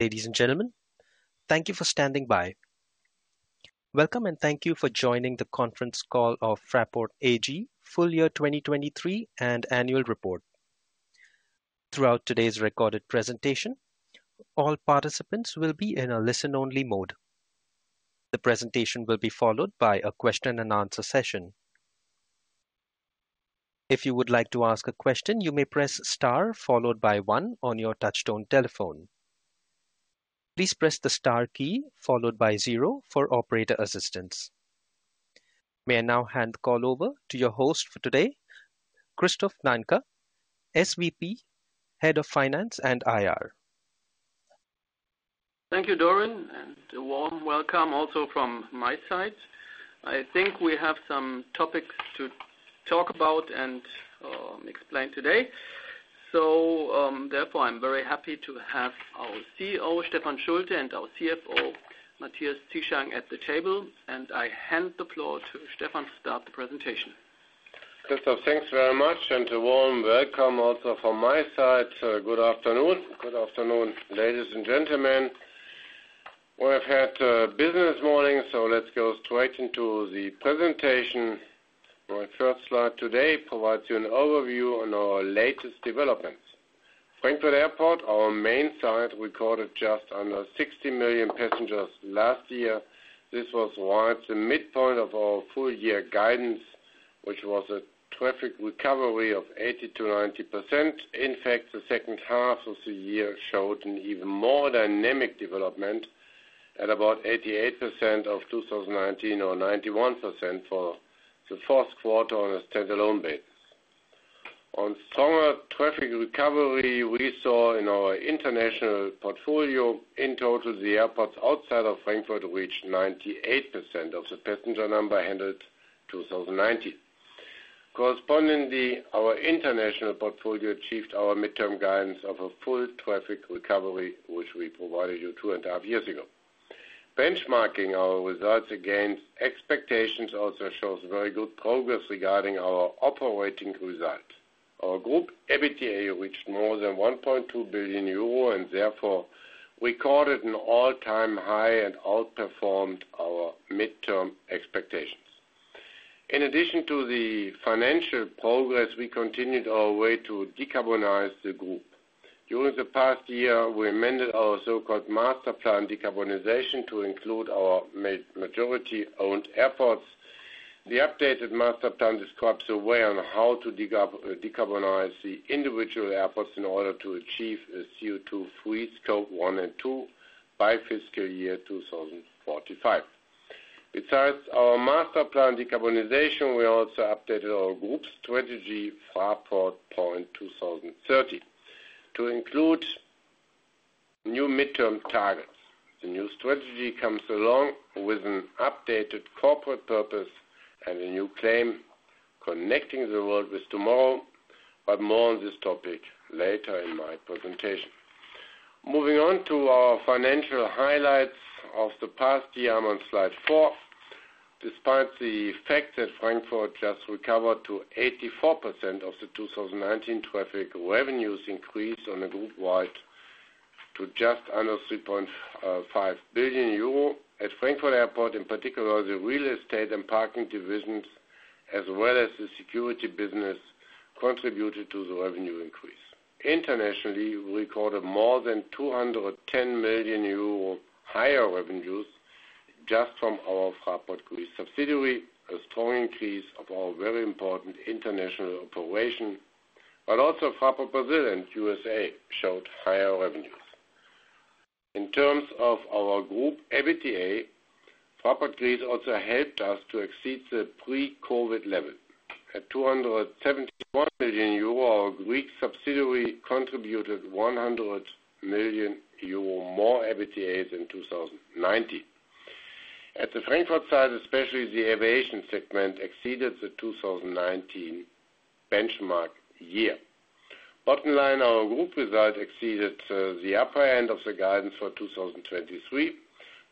Ladies and gentlemen, thank you for standing by. Welcome, and thank you for joining the conference call of Fraport AG, Full Year 2023 and Annual Report. Throughout today's recorded presentation, all participants will be in a listen-only mode. The presentation will be followed by a question and answer session. If you would like to ask a question, you may press Star, followed by 1 on your touchtone telephone. Please press the Star key, followed by Zero for operator assistance. May I now hand the call over to your host for today, Christoph Nanke, SVP, Head of Finance and IR. Thank you, Doran, and a warm welcome also from my side. I think we have some topics to talk about and explain today. So, therefore, I'm very happy to have our CEO, Stefan Schulte, and our CFO, Matthias Zieschang, at the table, and I hand the floor to Stefan to start the presentation. Christoph, thanks very much, and a warm welcome also from my side. Good afternoon. Good afternoon, ladies and gentlemen. We've had a busy morning, so let's go straight into the presentation. My first slide today provides you an overview on our latest developments. Frankfurt Airport, our main site, recorded just under 60 million passengers last year. This was right at the midpoint of our full year guidance, which was a traffic recovery of 80%-90%. In fact, the second half of the year showed an even more dynamic development at about 88% of 2019, or 91% for the fourth quarter on a standalone basis. On stronger traffic recovery, we saw in our international portfolio, in total, the airports outside of Frankfurt reached 98% of the passenger number handled 2019. Correspondingly, our international portfolio achieved our midterm guidance of a full traffic recovery, which we provided you 2 and a half years ago. Benchmarking our results against expectations also shows very good progress regarding our operating results. Our group EBITDA reached more than 1.2 billion euro and therefore recorded an all-time high and outperformed our midterm expectations. In addition to the financial progress, we continued our way to decarbonize the group. During the past year, we amended our so-called Master Plan Decarbonization to include our majority-owned airports. The updated Master Plan describes a way on how to decarbonize the individual airports in order to achieve a CO2-free Scope 1 and 2 by fiscal year 2045. Besides our Master Plan Decarbonization, we also updated our group's strategy, Fraport 2030, to include new midterm targets. The new strategy comes along with an updated corporate purpose and a new claim, connecting the world with tomorrow, but more on this topic later in my presentation. Moving on to our financial highlights of the past year on slide 4. Despite the fact that Frankfurt just recovered to 84% of the 2019 traffic, revenues increased on a group-wide to just under 3.5 billion euro. At Frankfurt Airport, in particular, the real estate and parking divisions, as well as the security business, contributed to the revenue increase. Internationally, we recorded more than 210 million euro higher revenues just from our Fraport Greece subsidiary, a strong increase of our very important international operation, but also Fraport Brazil and USA showed higher revenues. In terms of our group EBITDA, Fraport Greece also helped us to exceed the pre-COVID level. At 271 million euro, our Greek subsidiary contributed 100 million euro more EBITDA than 2019. At the Frankfurt site, especially the aviation segment exceeded the 2019 benchmark year. Bottom line, our group result exceeded the upper end of the guidance for 2023,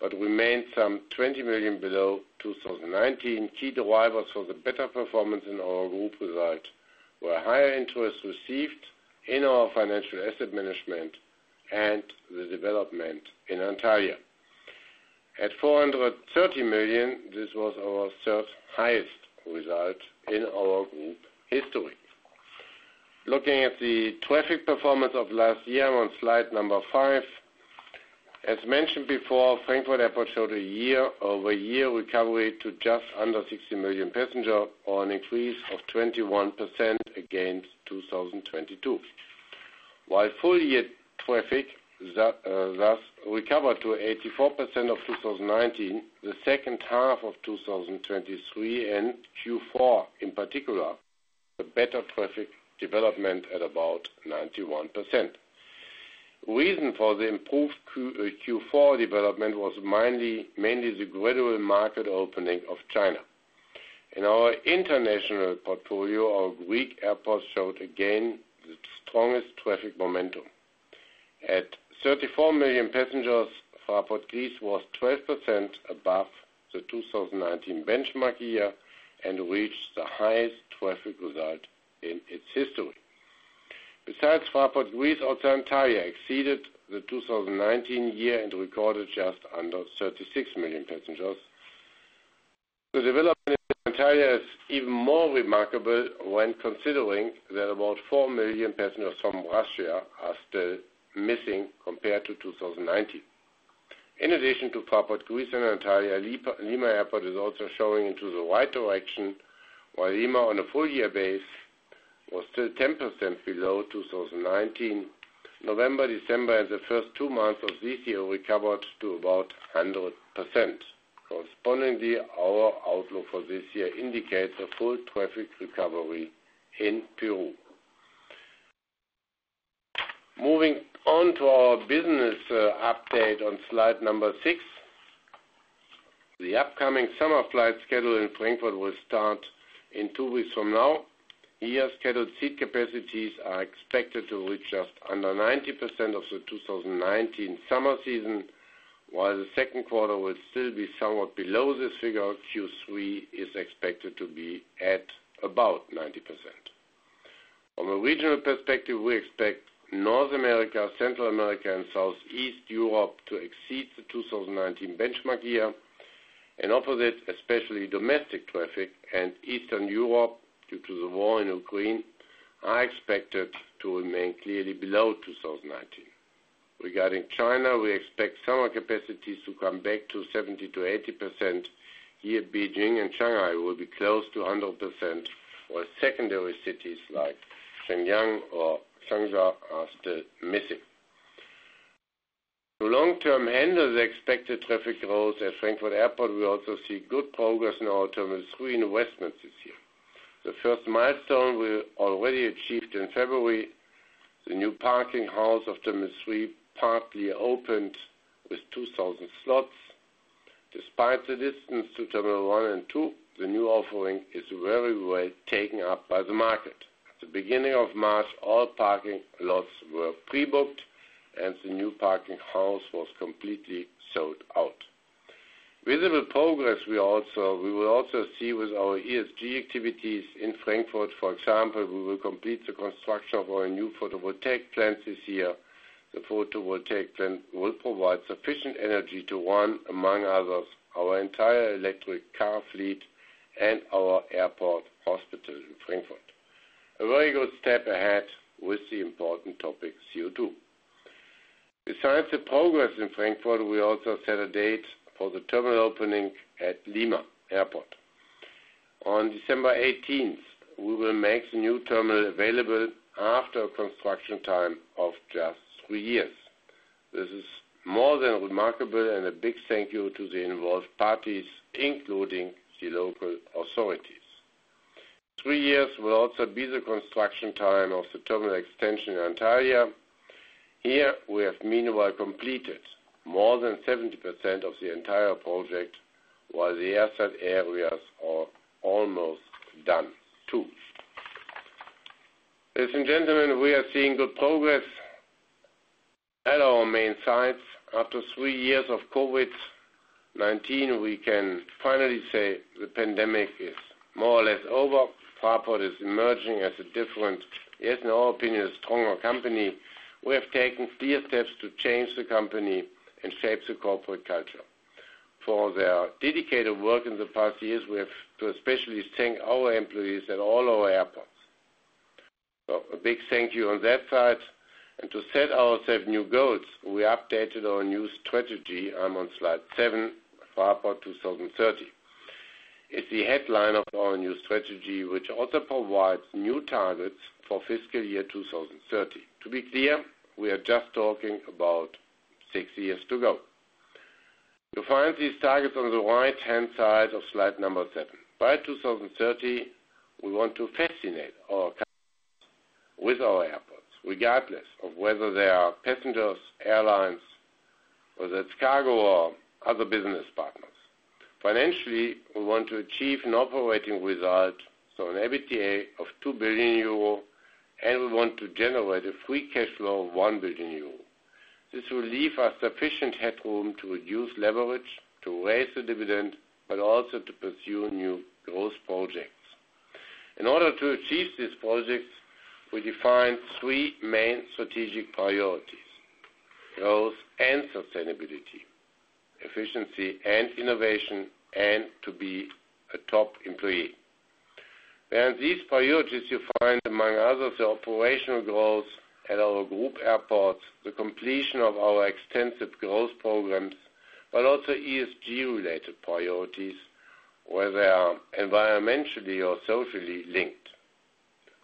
but remained some 20 million below 2019. Key drivers for the better performance in our group result were higher interest received in our financial asset management and the development in Antalya. At 430 million, this was our third highest result in our group history. Looking at the traffic performance of last year on slide 5, as mentioned before, Frankfurt Airport showed a year-over-year recovery to just under 60 million passengers, or an increase of 21% against 2022. While full year traffic thus recovered to 84% of 2019, the second half of 2023, and Q4 in particular, a better traffic development at about 91%. Reason for the improved Q4 development was mainly the gradual market opening of China. In our international portfolio, our Greek airports showed again the strongest traffic momentum. At 34 million passengers, Fraport Greece was 12% above the 2019 benchmark year and reached the highest traffic result in its history. Besides Fraport Greece, also Antalya exceeded the 2019 year and recorded just under 36 million passengers. The development in Antalya is even more remarkable when considering that about 4 million passengers from Russia are still missing compared to 2019. In addition to Fraport Greece and Antalya, Lima Airport is also heading in the right direction, while Lima, on a full-year basis, was still 10% below 2019. November, December, and the first 2 months of this year recovered to about 100%. Correspondingly, our outlook for this year indicates a full traffic recovery in Peru. Moving on to our business update on slide number 6, the upcoming summer flight schedule in Frankfurt will start in 2 weeks from now. Here, scheduled seat capacities are expected to reach just under 90% of the 2019 summer season, while the second quarter will still be somewhat below this figure, Q3 is expected to be at about 90%. From a regional perspective, we expect North America, Central America, and Southeast Europe to exceed the 2019 benchmark year, and opposite, especially domestic traffic and Eastern Europe, due to the war in Ukraine, are expected to remain clearly below 2019. Regarding China, we expect summer capacities to come back to 70%-80%. Here, Beijing and Shanghai will be close to 100%, while secondary cities like Shenyang or Hangzhou are still missing. To long-term handle the expected traffic growth at Frankfurt Airport, we also see good progress in our Terminal 3 investments this year. The first milestone we already achieved in February, the new parking halls of Terminal 3 partly opened with 2,000 slots. Despite the distance to Terminal 1 and 2, the new offering is very well taken up by the market. At the beginning of March, all parking lots were pre-booked, and the new parking house was completely sold out. Visible progress, we will also see with our ESG activities in Frankfurt, for example, we will complete the construction of our new photovoltaic plant this year. The photovoltaic plant will provide sufficient energy to run, among others, our entire electric car fleet and our airport hospital in Frankfurt. A very good step ahead with the important topic, CO2. Besides the progress in Frankfurt, we also set a date for the terminal opening at Lima Airport. On December 18th, we will make the new terminal available after a construction time of just 3 years. This is more than remarkable and a big thank you to the involved parties, including the local authorities. 3 years will also be the construction time of the terminal extension in Antalya. Here, we have meanwhile completed more than 70% of the entire project, while the asset areas are almost done, too. Ladies and gentlemen, we are seeing good progress at our main sites. After 3 years of COVID-19, we can finally say the pandemic is more or less over. Fraport is emerging as a different, yet, in our opinion, a stronger company. We have taken clear steps to change the company and shape the corporate culture. For their dedicated work in the past years, we have to especially thank our employees at all our airports. So a big thank you on that side. To set ourselves new goals, we updated our new strategy. I'm on slide 7, Fraport 2030. It's the headline of our new strategy, which also provides new targets for fiscal year 2030. To be clear, we are just talking about 6 years to go. You'll find these targets on the right-hand side of slide number 7. By 2030, we want to fascinate our customers with our airports, regardless of whether they are passengers, airlines, whether it's cargo or other business partners. Financially, we want to achieve an operating result, so an EBITDA, of 2 billion euro, and we want to generate a free cash flow of 1 billion euro. This will leave us sufficient headroom to reduce leverage, to raise the dividend, but also to pursue new growth projects. In order to achieve these projects, we define 3 main strategic priorities: growth and sustainability, efficiency and innovation, and to be a top employee. These priorities you find, among others, the operational growth at our group airports, the completion of our extensive growth programs, but also ESG-related priorities, whether they are environmentally or socially linked.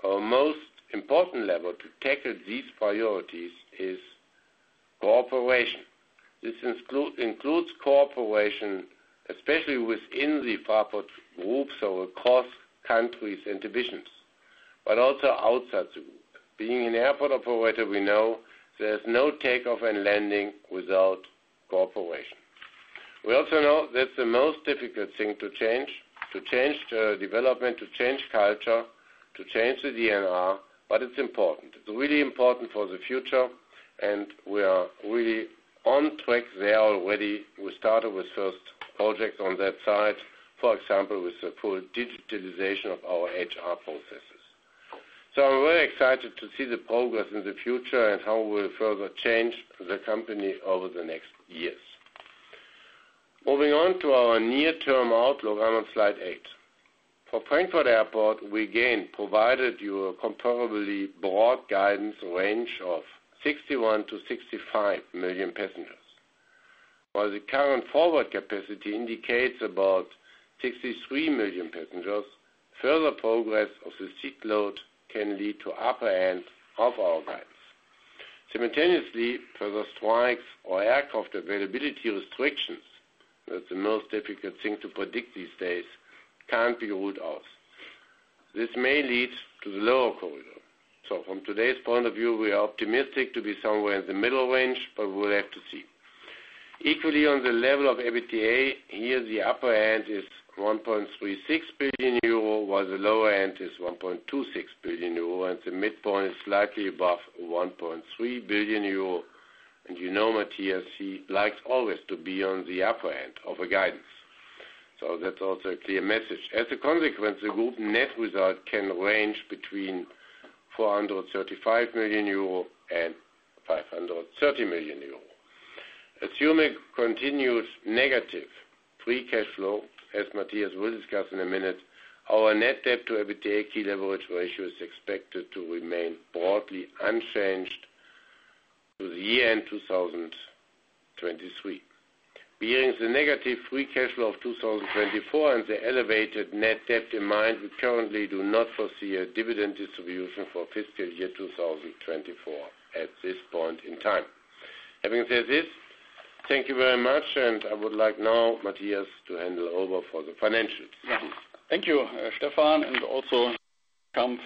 Our most important level to tackle these priorities is cooperation. This includes cooperation, especially within the Fraport Group, so across countries and divisions, but also outside the group. Being an airport operator, we know there's no takeoff and landing without cooperation. We also know that the most difficult thing to change the DNA, but it's important. It's really important for the future, and we are really on track there already. We started with first projects on that side, for example, with the full digitalization of our HR processes. So I'm really excited to see the progress in the future and how we'll further change the company over the next years. Moving on to our near-term outlook, I'm on slide 8. For Frankfurt Airport, we again provided you a comparably broad guidance range of 61-65 million passengers. While the current forward capacity indicates about 63 million passengers, further progress of the seat load can lead to upper end of our guidance. Simultaneously, further strikes or aircraft availability restrictions, that's the most difficult thing to predict these days, can't be ruled out. This may lead to the lower corridor. So from today's point of view, we are optimistic to be somewhere in the middle range, but we'll have to see. Equally, on the level of EBITDA, here, the upper end is 1.36 billion euro, while the lower end is 1.26 billion euro, and the midpoint is slightly above 1.3 billion euro. And you know Matthias, he likes always to be on the upper end of a guidance, so that's also a clear message. As a consequence, the group net result can range between 435 million euro and 530 million euro. Assuming continuous negative free cash flow, as Matthias will discuss in a minute, our net debt to EBITDA key leverage ratio is expected to remain broadly unchanged through the year-end 2023. Bearing the negative free cash flow of 2024 and the elevated net debt in mind, we currently do not foresee a dividend distribution for fiscal year 2024 at this point in time. Having said this, thank you very much, and I would like now Matthias to hand it over for the financials. Yeah. Thank you, Stefan, and also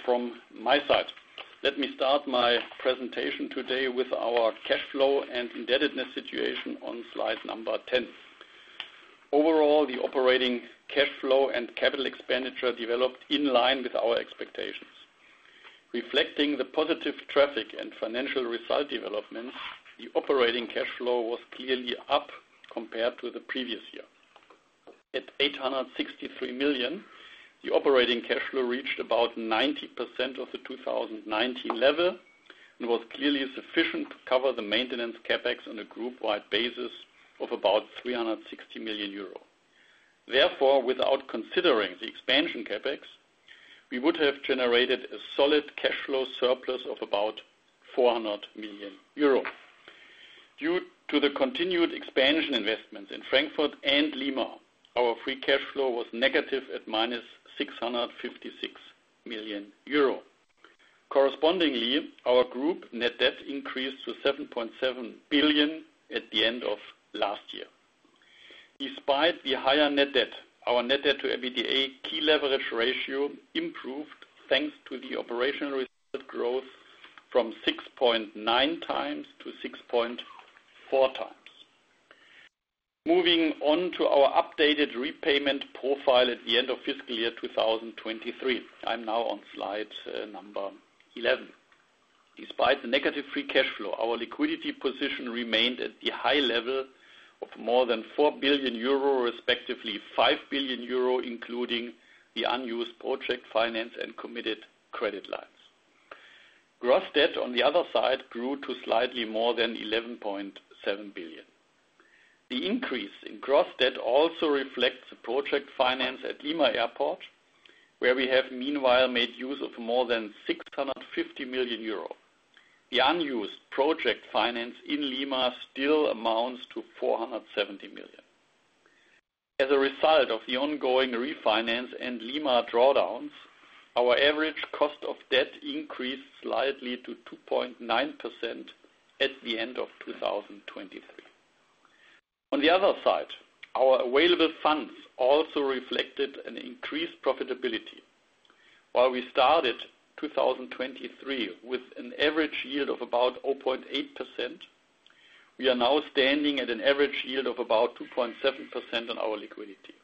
from my side. Let me start my presentation today with our cash flow and indebtedness situation on slide 10. Overall, the operating cash flow and capital expenditure developed in line with our expectations. Reflecting the positive traffic and financial result developments, the operating cash flow was clearly up compared to the previous year. At 863 million, the operating cash flow reached about 90% of the 2019 level and was clearly sufficient to cover the maintenance CapEx on a group-wide basis of about 360 million euro. Therefore, without considering the expansion CapEx, we would have generated a solid cash flow surplus of about 400 million euro. Due to the continued expansion investments in Frankfurt and Lima, our free cash flow was negative at -656 million euro. Correspondingly, our group net debt increased to 7.7 billion at the end of last year. Despite the higher net debt, our net debt to EBITDA key leverage ratio improved, thanks to the operational growth, from 6.9x to 6.4x. Moving on to our updated repayment profile at the end of fiscal year 2023. I'm now on slide 11. Despite the negative free cash flow, our liquidity position remained at the high level of more than 4 billion euro, respectively, 5 billion euro, including the unused project finance and committed credit lines. Gross debt, on the other side, grew to slightly more than 11.7 billion. The increase in gross debt also reflects the project finance at Lima Airport, where we have meanwhile made use of more than 650 million euro. The unused project finance in Lima still amounts to 470 million. As a result of the ongoing refinance and Lima drawdowns, our average cost of debt increased slightly to 2.9% at the end of 2023. On the other side, our available funds also reflected an increased profitability. While we started 2023 with an average yield of about 0.8%, we are now standing at an average yield of about 2.7% on our liquidity.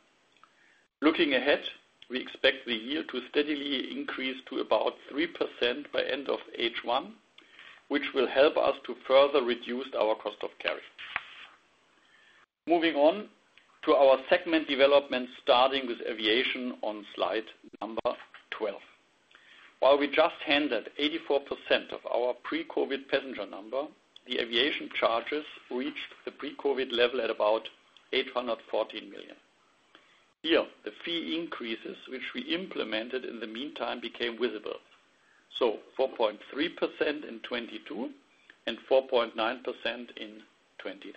Looking ahead, we expect the yield to steadily increase to about 3% by end of H1, which will help us to further reduce our cost of carry. Moving on to our segment development, starting with aviation on slide 12. While we just handled 84% of our pre-COVID passenger number, the aviation charges reached the pre-COVID level at about 814 million. Here, the fee increases, which we implemented in the meantime, became visible, so 4.3% in 2022 and 4.9% in 2023.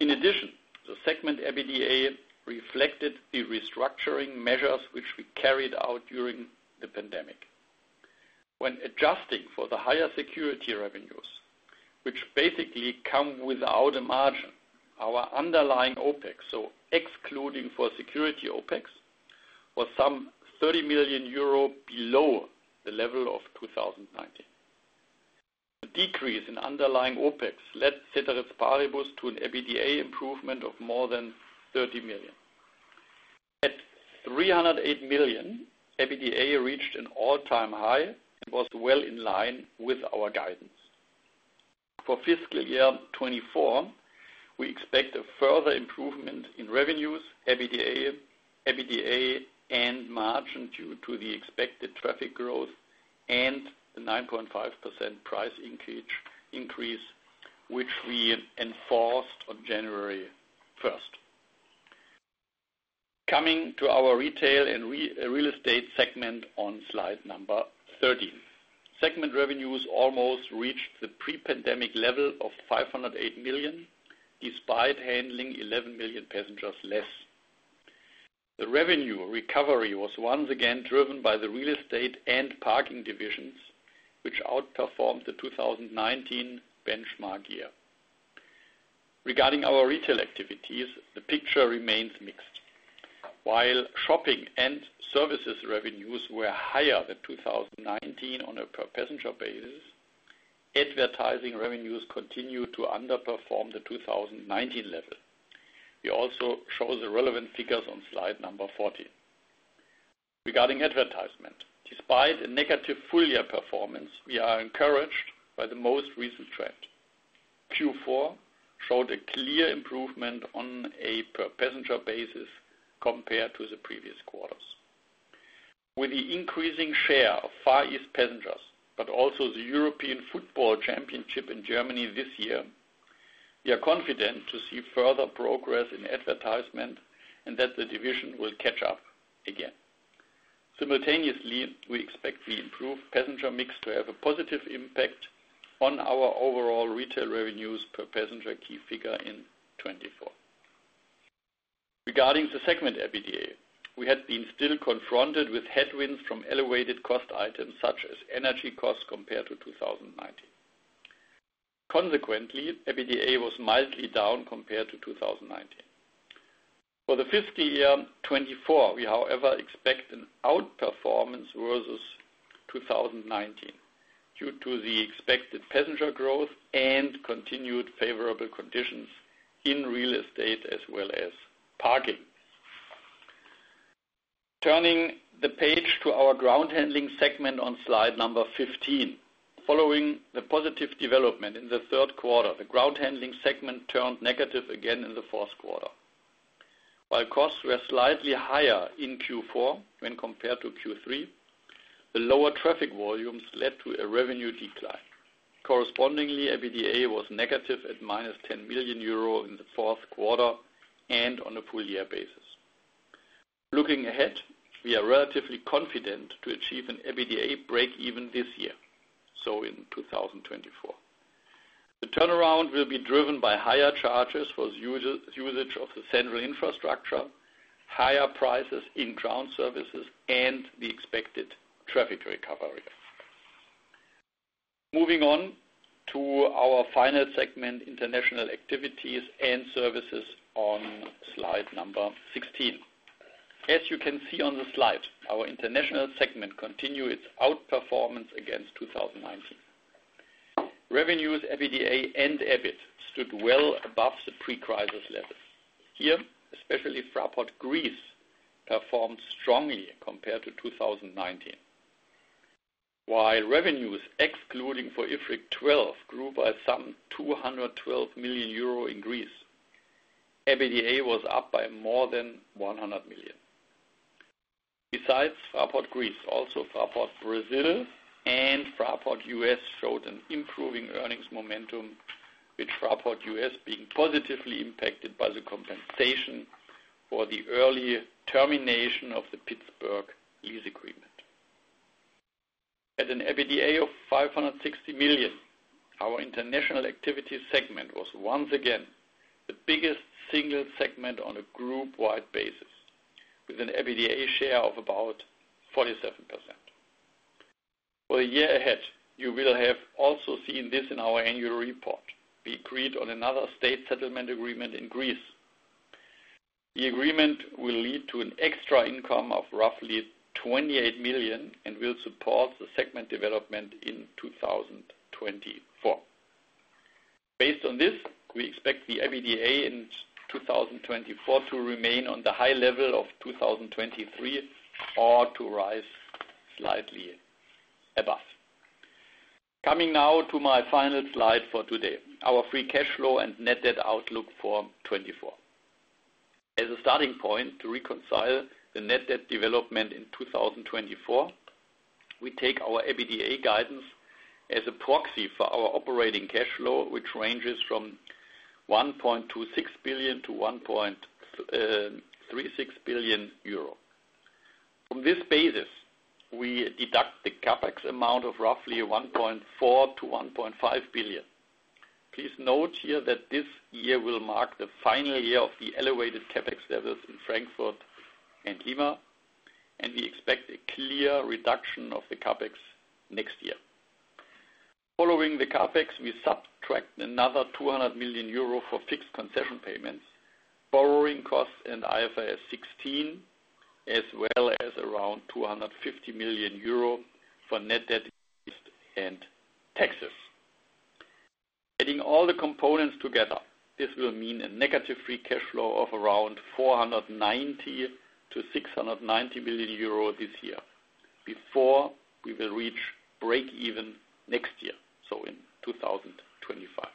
In addition, the segment EBITDA reflected the restructuring measures which we carried out during the pandemic. When adjusting for the higher security revenues, which basically come without a margin, our underlying OpEx, so excluding for security OpEx, was some 30 million euro below the level of 2019. The decrease in underlying OpEx led ceteris paribus to an EBITDA improvement of more than 30 million. At 308 million, EBITDA reached an all-time high and was well in line with our guidance. For fiscal year 2024, we expect a further improvement in revenues, EBITDA, and margin due to the expected traffic growth and the 9.5% price increase, which we enforced on January 1. Coming to our retail and real estate segment on slide 13. Segment revenues almost reached the pre-pandemic level of 508 million, despite handling 11 million passengers less. The revenue recovery was once again driven by the real estate and parking divisions, which outperformed the 2019 benchmark year. Regarding our retail activities, the picture remains mixed. While shopping and services revenues were higher than 2019 on a per passenger basis, advertising revenues continued to underperform the 2019 level. We also show the relevant figures on slide 14. Regarding advertisement, despite a negative full year performance, we are encouraged by the most recent trend. Q4 showed a clear improvement on a per passenger basis compared to the previous quarters. With the increasing share of Far East passengers, but also the European Football Championship in Germany this year, we are confident to see further progress in advertisement and that the division will catch up again. Simultaneously, we expect the improved passenger mix to have a positive impact on our overall retail revenues per passenger key figure in 2024. Regarding the segment EBITDA, we had been still confronted with headwinds from elevated cost items, such as energy costs, compared to 2019. Consequently, EBITDA was mildly down compared to 2019. For the fiscal year 2024, we, however, expect an outperformance versus 2019 due to the expected passenger growth and continued favorable conditions in real estate as well as parking. Turning the page to our ground handling segment on slide number 15. Following the positive development in the third quarter, the ground handling segment turned negative again in the fourth quarter. While costs were slightly higher in Q4 when compared to Q3, the lower traffic volumes led to a revenue decline. Correspondingly, EBITDA was negative at -10 million euro in the fourth quarter and on a full year basis. Looking ahead, we are relatively confident to achieve an EBITDA break even this year, so in 2024. The turnaround will be driven by higher charges for our usage of the central infrastructure, higher prices in ground services, and the expected traffic recovery. Moving on to our final segment, international activities and services, on slide number 16. As you can see on the slide, our international segment continued its outperformance against 2019. Revenues, EBITDA and EBIT stood well above the pre-crisis levels. Here, especially Fraport Greece performed strongly compared to 2019. While revenues, excluding for IFRIC 12, grew by some 212 million euro in Greece, EBITDA was up by more than 100 million. Besides Fraport Greece, also Fraport Brazil and Fraport US showed an improving earnings momentum, with Fraport US being positively impacted by the compensation for the early termination of the Pittsburgh lease agreement. At an EBITDA of 560 million, our international activity segment was once again the biggest single segment on a group-wide basis, with an EBITDA share of about 47%. For the year ahead, you will have also seen this in our annual report. We agreed on another state settlement agreement in Greece. The agreement will lead to an extra income of roughly 28 million and will support the segment development in 2024. Based on this, we expect the EBITDA in 2024 to remain on the high level of 2023, or to rise slightly above. Coming now to my final slide for today, our free cash flow and net debt outlook for 2024. As a starting point to reconcile the net debt development in 2024, we take our EBITDA guidance as a proxy for our operating cash flow, which ranges from 1.26 billion to 1.36 billion euro. From this basis, we deduct the CapEx amount of roughly 1.4-1.5 billion. Please note here that this year will mark the final year of the elevated CapEx levels in Frankfurt and Lima, and we expect a clear reduction of the CapEx next year. Following the CapEx, we subtract another 200 million euro for fixed concession payments, borrowing costs, and IFRS 16.... as well as around 250 million euro for net debt interest and taxes. Adding all the components together, this will mean a negative free cash flow of around 490 million-690 million euro this year, before we will reach break even next year, so in 2025.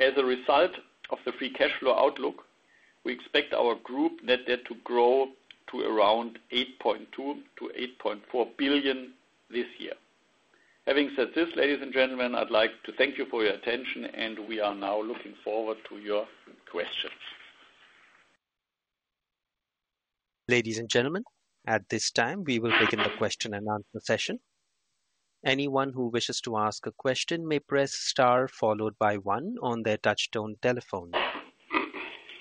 As a result of the free cash flow outlook, we expect our group net debt to grow to around 8.2 billion-8.4 billion this year. Having said this, ladies and gentlemen, I'd like to thank you for your attention, and we are now looking forward to your questions. Ladies and gentlemen, at this time, we will begin the question and answer session. Anyone who wishes to ask a question may press star followed by 1 on their touchtone telephone.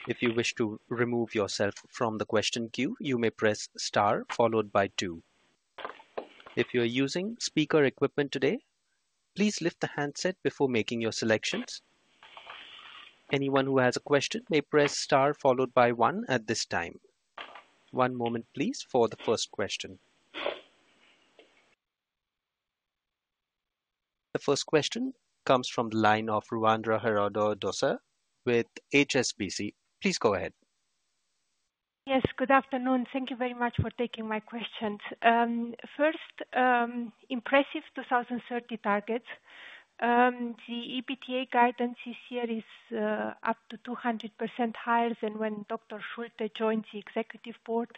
If you wish to remove yourself from the question queue, you may press star followed by 2. If you're using speaker equipment today, please lift the handset before making your selections. Anyone who has a question may press star followed by 1 at this time. 1 moment, please, for the first question. The first question comes from the line of Ruxandra Haradau-Doser with HSBC. Please go ahead. Yes, good afternoon. Thank you very much for taking my questions. First, impressive 2030 target. The EBITDA guidance this year is up to 200% higher than when Dr. Schulte joined the executive board,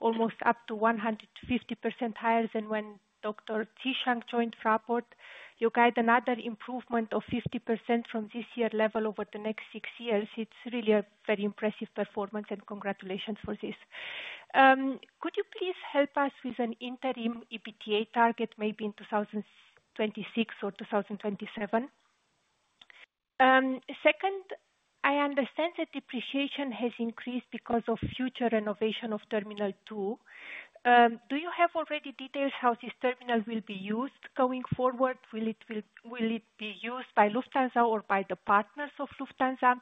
almost up to 150% higher than when Dr. Zieschang joined Fraport. You guide another improvement of 50% from this year level over the next 6 years. It's really a very impressive performance, and congratulations for this. Could you please help us with an interim EBITDA target, maybe in 2026 or 2027? Second, I understand that depreciation has increased because of future renovation of Terminal 2. Do you have already details how this terminal will be used going forward? Will it, will, will it be used by Lufthansa or by the partners of Lufthansa?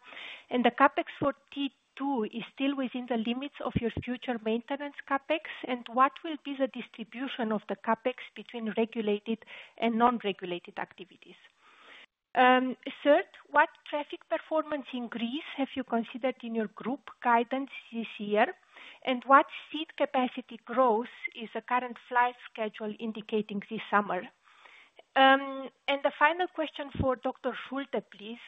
The CapEx for T2 is still within the limits of your future maintenance CapEx, and what will be the distribution of the CapEx between regulated and non-regulated activities? Third, what traffic performance in Greece have you considered in your group guidance this year, and what seat capacity growth is the current flight schedule indicating this summer? And the final question for Dr. Schulte, please.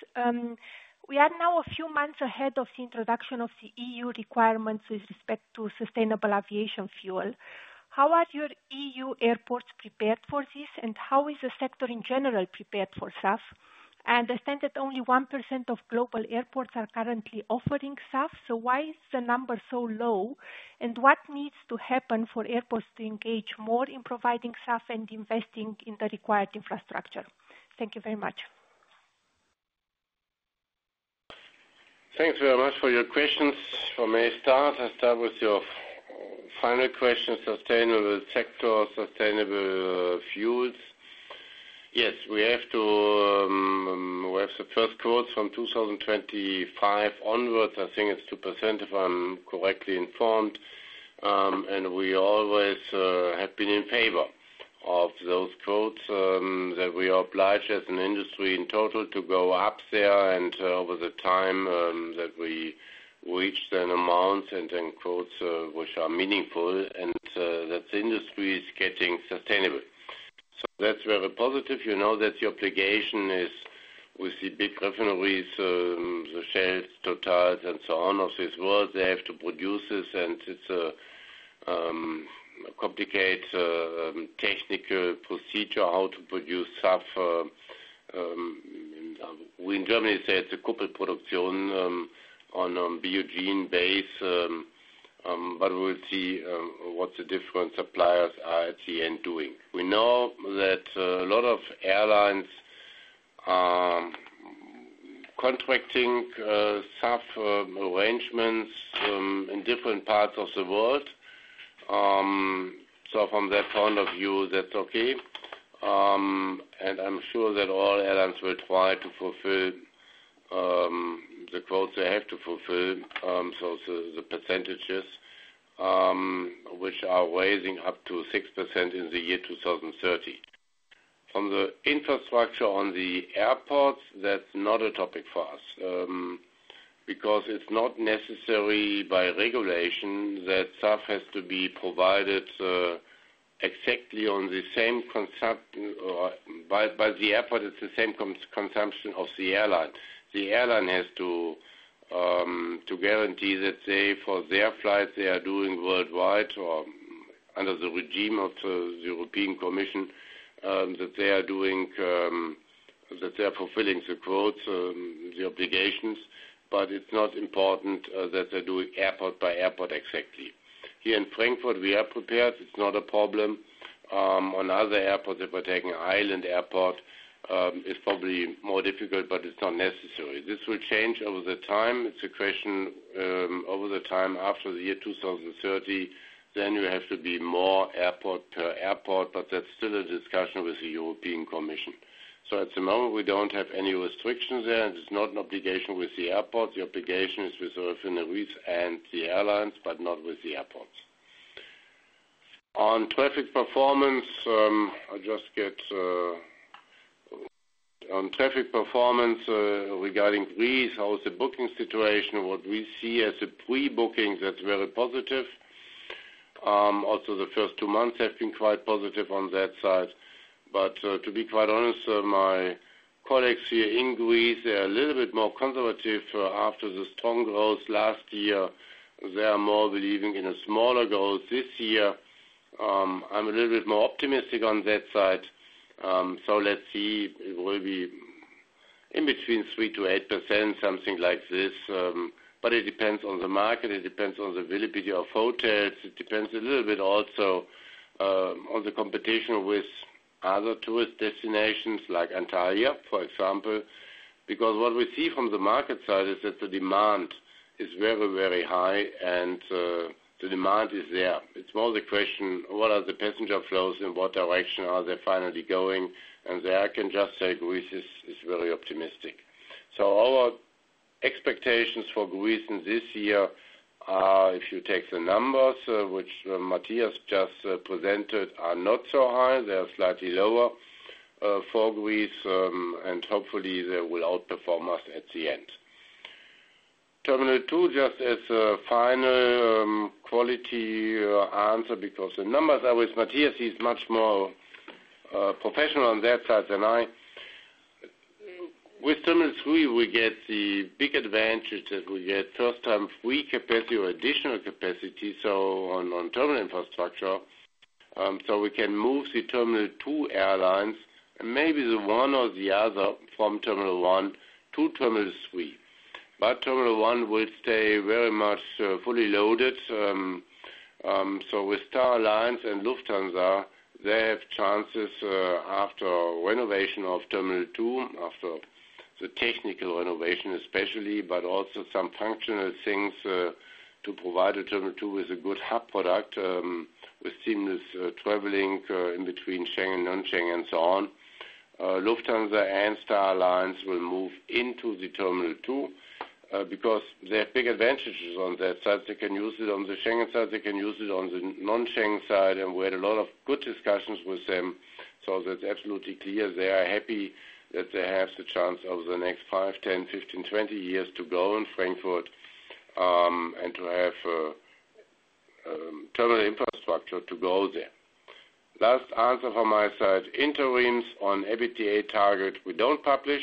We are now a few months ahead of the introduction of the EU requirements with respect to sustainable aviation fuel. How are your EU airports prepared for this, and how is the sector in general prepared for SAF? I understand that only 1% of global airports are currently offering SAF, so why is the number so low? And what needs to happen for airports to engage more in providing SAF and investing in the required infrastructure? Thank you very much. Thanks very much for your questions. So may I start, I start with your final question, sustainable sector, sustainable fuels. Yes, we have to, we have the first quotas from 2025 onwards. I think it's 2%, if I'm correctly informed. And we always have been in favor of those quotas, that we are obliged as an industry in total to go up there and over the time, that we reach an amount and then quotas, which are meaningful, and that the industry is getting sustainable. So that's very positive. You know, that the obligation is with the big refineries, the Shells, Totals, and so on of this world. They have to produce this, and it's a complicated technical procedure, how to produce SAF. We in Germany say it's a coupled production, on a biogenic base, but we will see what the different suppliers are at the end doing. We know that a lot of airlines are contracting SAF arrangements in different parts of the world. So from that point of view, that's okay. And I'm sure that all airlines will try to fulfill the quotas they have to fulfill. So the percentages, which are rising up to 6% in the year 2030. From the infrastructure on the airports, that's not a topic for us, because it's not necessary by regulation that SAF has to be provided exactly on the same concept by the airport; it's the same consumption of the airline. The airline has to to guarantee that they, for their flights, they are doing worldwide or under the regime of the the European Commission, that they are doing, that they are fulfilling the quotas, the obligations, but it's not important that they do it airport by airport exactly. Here in Frankfurt, we are prepared. It's not a problem. On other airports, if we're taking an island airport, it's probably more difficult, but it's not necessary. This will change over the time. It's a question over the time, after the year 2030... then you have to be more airport per airport, but that's still a discussion with the European Commission. So at the moment, we don't have any restrictions there, and it's not an obligation with the airport. The obligation is with Greece and the airlines, but not with the airports. On traffic performance, regarding Greece, how is the booking situation? What we see as a pre-booking, that's very positive. Also, the first 2 months have been quite positive on that side. But, to be quite honest, my colleagues here in Greece, they are a little bit more conservative after the strong growth last year. They are more believing in a smaller growth this year. I'm a little bit more optimistic on that side. So let's see, it will be in between 3%-8%, something like this. But it depends on the market, it depends on the availability of hotels. It depends a little bit also on the competition with other tourist destinations like Antalya, for example, because what we see from the market side is that the demand is very, very high and the demand is there. It's more the question: What are the passenger flows, and what direction are they finally going? And there, I can just say, Greece is very optimistic. So our expectations for Greece in this year are, if you take the numbers which Matthias just presented, not so high. They are slightly lower for Greece, and hopefully, they will outperform us at the end. Terminal 2, just as a final quality answer, because the numbers are with Matthias, he's much more professional on that side than I. With Terminal 3, we get the big advantage that we get first-time free capacity or additional capacity, so on, on terminal infrastructure. So we can move the Terminal 2 airlines, and maybe the 1 or the other from Terminal 1 to Terminal 3. But Terminal 1 will stay very much fully loaded. So with Star Alliance and Lufthansa, they have chances after renovation of Terminal 2, after the technical renovation, especially, but also some functional things to provide the Terminal 2 with a good hub product with seamless traveling in between Schengen and non-Schengen, and so on. Lufthansa and Star Alliance will move into the Terminal 2 because they have big advantages on that side. They can use it on the Schengen side, they can use it on the non-Schengen side, and we had a lot of good discussions with them. So that's absolutely clear. They are happy that they have the chance over the next 5, 10, 15, 20 years to grow in Frankfurt, and to have terminal infrastructure to grow there. Last answer from my side, interims on EBITDA target, we don't publish.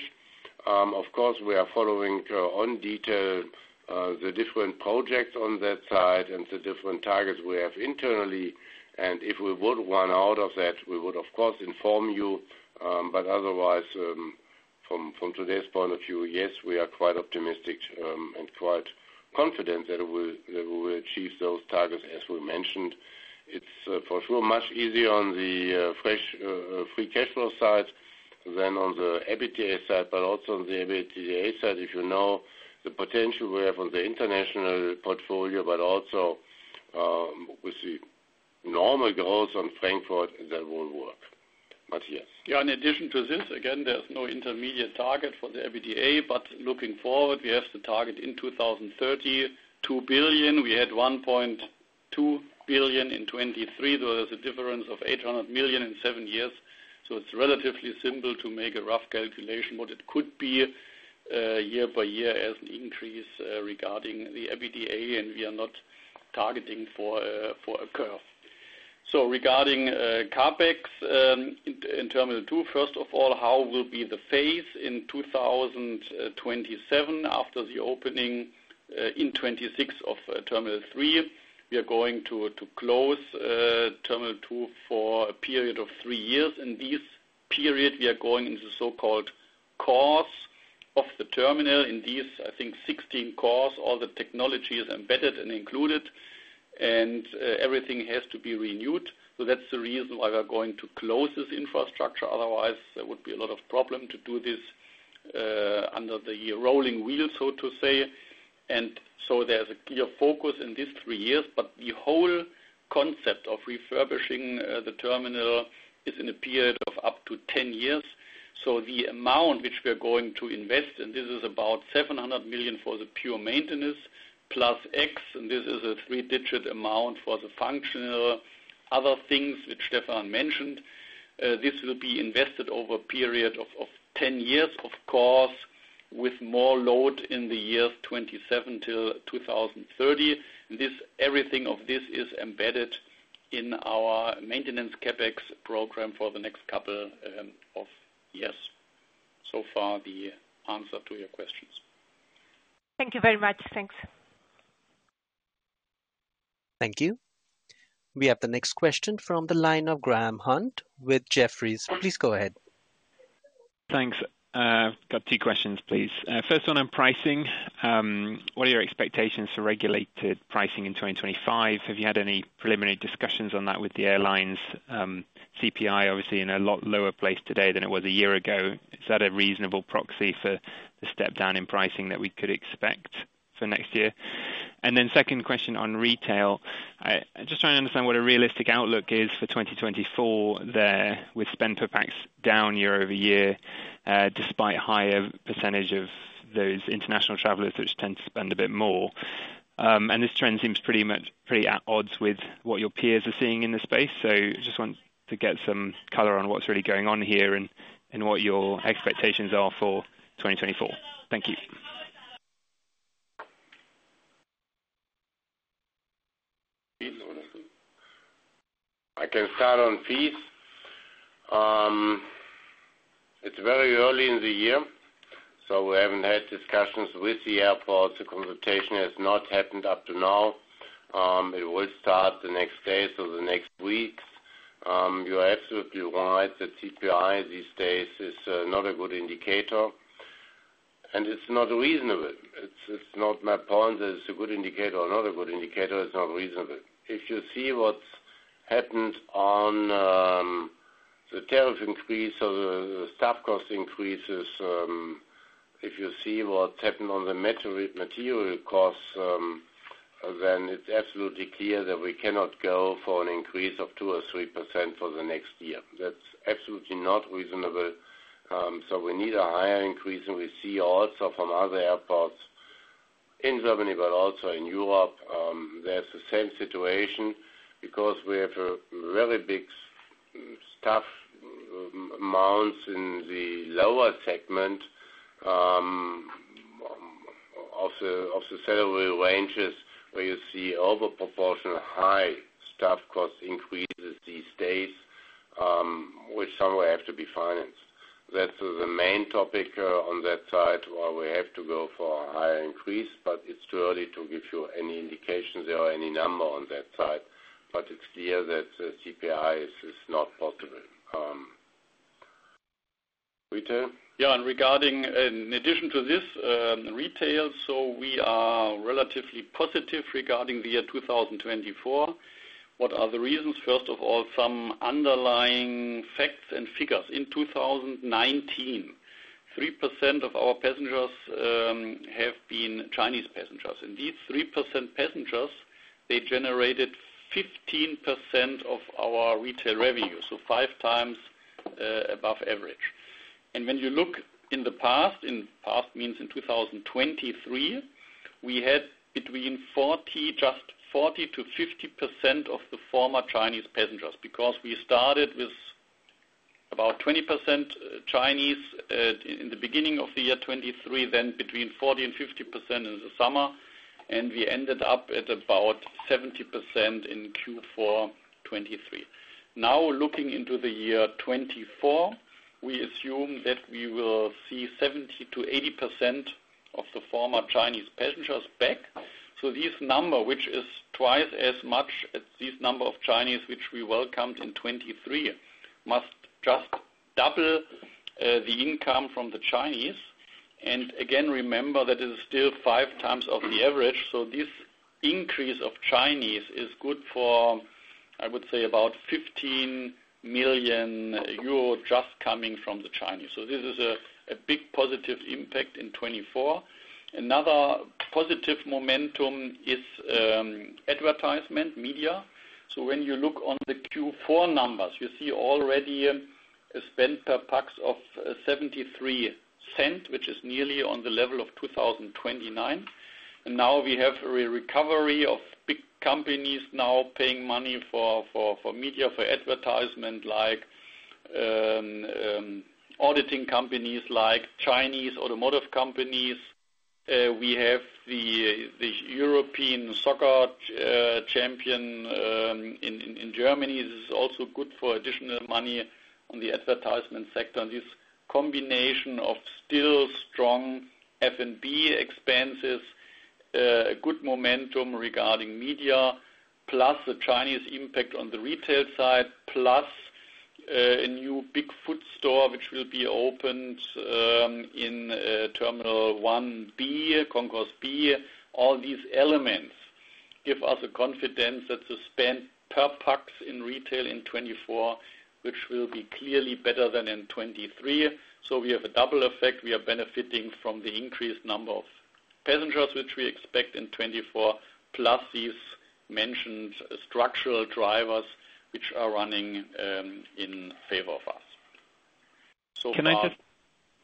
Of course, we are following on detail the different projects on that side and the different targets we have internally. And if we would run out of that, we would, of course, inform you. But otherwise, from today's point of view, yes, we are quite optimistic, and quite confident that we will achieve those targets, as we mentioned. It's for sure much easier on the free cash flow side than on the EBITDA side, but also on the EBITDA side, if you know the potential we have on the international portfolio, but also with the normal growth on Frankfurt, that won't work. Matthias? Yeah, in addition to this, again, there's no intermediate target for the EBITDA, but looking forward, we have the target in 2030, 2 billion. We had 1.2 billion in 2023. There was a difference of 800 million in 7 years, so it's relatively simple to make a rough calculation, what it could be, year by year as an increase, regarding the EBITDA, and we are not targeting for a, for a curve. So regarding, CapEx, in Terminal 2, first of all, how will be the phase in 2027 after the opening, in 2026 of Terminal 3? We are going to, to close, Terminal 2 for a period of 3 years. In this period, we are going into the so-called cores of the terminal. In these, I think, 16 cores, all the technology is embedded and included, and everything has to be renewed. So that's the reason why we are going to close this infrastructure. Otherwise, there would be a lot of problem to do this under the rolling wheel, so to say. So there's a clear focus in these 3 years, but the whole concept of refurbishing the terminal is in a period of up to 10 years. So the amount which we are going to invest, and this is about 700 million for the pure maintenance plus X, and this is a 3-digit amount for the functional other things, which Stefan mentioned. This will be invested over a period of 10 years, of course, with more load in the years 2027-2030. This, everything of this is embedded in our maintenance CapEx program for the next couple of years. So far, the answer to your questions. Thank you very much. Thanks. Thank you. We have the next question from the line of Graham Hunt with Jefferies. Please go ahead. Thanks. Got 2 questions, please. First 1 on pricing. What are your expectations for regulated pricing in 2025? Have you had any preliminary...... discussions on that with the airlines, CPI, obviously in a lot lower place today than it was a year ago. Is that a reasonable proxy for the step down in pricing that we could expect for next year? And then second question on retail. I'm just trying to understand what a realistic outlook is for 2024 there, with spend per pax down year-over-year, despite higher percentage of those international travelers, which tend to spend a bit more. And this trend seems pretty much, pretty at odds with what your peers are seeing in the space. So just want to get some color on what's really going on here and what your expectations are for 2024. Thank you. I can start on fees. It's very early in the year, so we haven't had discussions with the airports. The consultation has not happened up to now. It will start the next day, so the next week. You are absolutely right that CPI these days is not a good indicator, and it's not reasonable. It's not my point that it's a good indicator or not a good indicator. It's not reasonable. If you see what happened on the tariff increase or the staff cost increases, if you see what happened on the material costs, then it's absolutely clear that we cannot go for an increase of 2% or 3% for the next year. That's absolutely not reasonable. So we need a higher increase, and we see also from other airports in Germany, but also in Europe, there's the same situation because we have a very big staff amounts in the lower segment of the salary ranges, where you see over proportional high staff cost increases these days, which somewhere have to be financed. That's the main topic on that side, why we have to go for a higher increase, but it's too early to give you any indication there are any number on that side. But it's clear that the CPI is not possible. Retail? Yeah, and regarding, in addition to this, retail, so we are relatively positive regarding the year 2024. What are the reasons? First of all, some underlying facts and figures. In 2019, 3% of our passengers have been Chinese passengers, and these 3% passengers, they generated 15% of our retail revenue, so 5x above average. And when you look in the past, in past means in 2023, we had between 40, just 40%-50% of the former Chinese passengers, because we started with about 20% Chinese in the beginning of the year 2023, then between 40%-50% in the summer, and we ended up at about 70% in Q4 2023. Now, looking into the year 2024, we assume that we will see 70%-80% of the former Chinese passengers back. So this number, which is twice as much as this number of Chinese, which we welcomed in 2023, must just double the income from the Chinese. And again, remember that is still 5x of the average. So this increase of Chinese is good for, I would say, about 15 million euro just coming from the Chinese. So this is a big positive impact in 2024. Another positive momentum is advertisement, media. So when you look on the Q4 numbers, you see already a spend per pax of 73 cents, which is nearly on the level of 2029. Now we have a recovery of big companies now paying money for media, for advertisement, like auditing companies, like Chinese automotive companies. We have the European soccer champion in Germany. This is also good for additional money on the advertisement sector. This combination of still strong F&B expenses, good momentum regarding media, plus the Chinese impact on the retail side, plus a new big food store, which will be opened in Terminal 1B, Concourse B. All these elements give us the confidence that the spend per pax in retail in 2024, which will be clearly better than in 2023. So we have a double effect. We are benefiting from the increased number of passengers, which we expect in 2024, plus these mentioned structural drivers, which are running in favor of us. So far. Can I just-?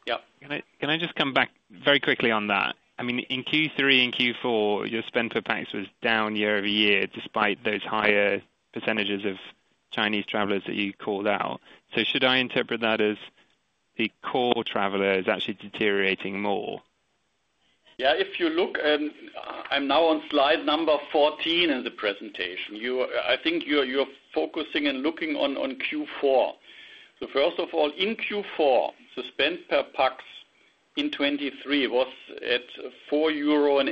Yeah. Can I, can I just come back very quickly on that? I mean, in Q3 and Q4, your spend per pax was down year-over-year, despite those higher percentages of Chinese travelers that you called out. So should I interpret that as the core traveler is actually deteriorating more? Yeah, if you look, and I'm now on slide number 14 in the presentation, you are—I think you're, you're focusing and looking on, on Q4. So first of all, in Q4, the spend per pax in 2023 was at 4.08 euro,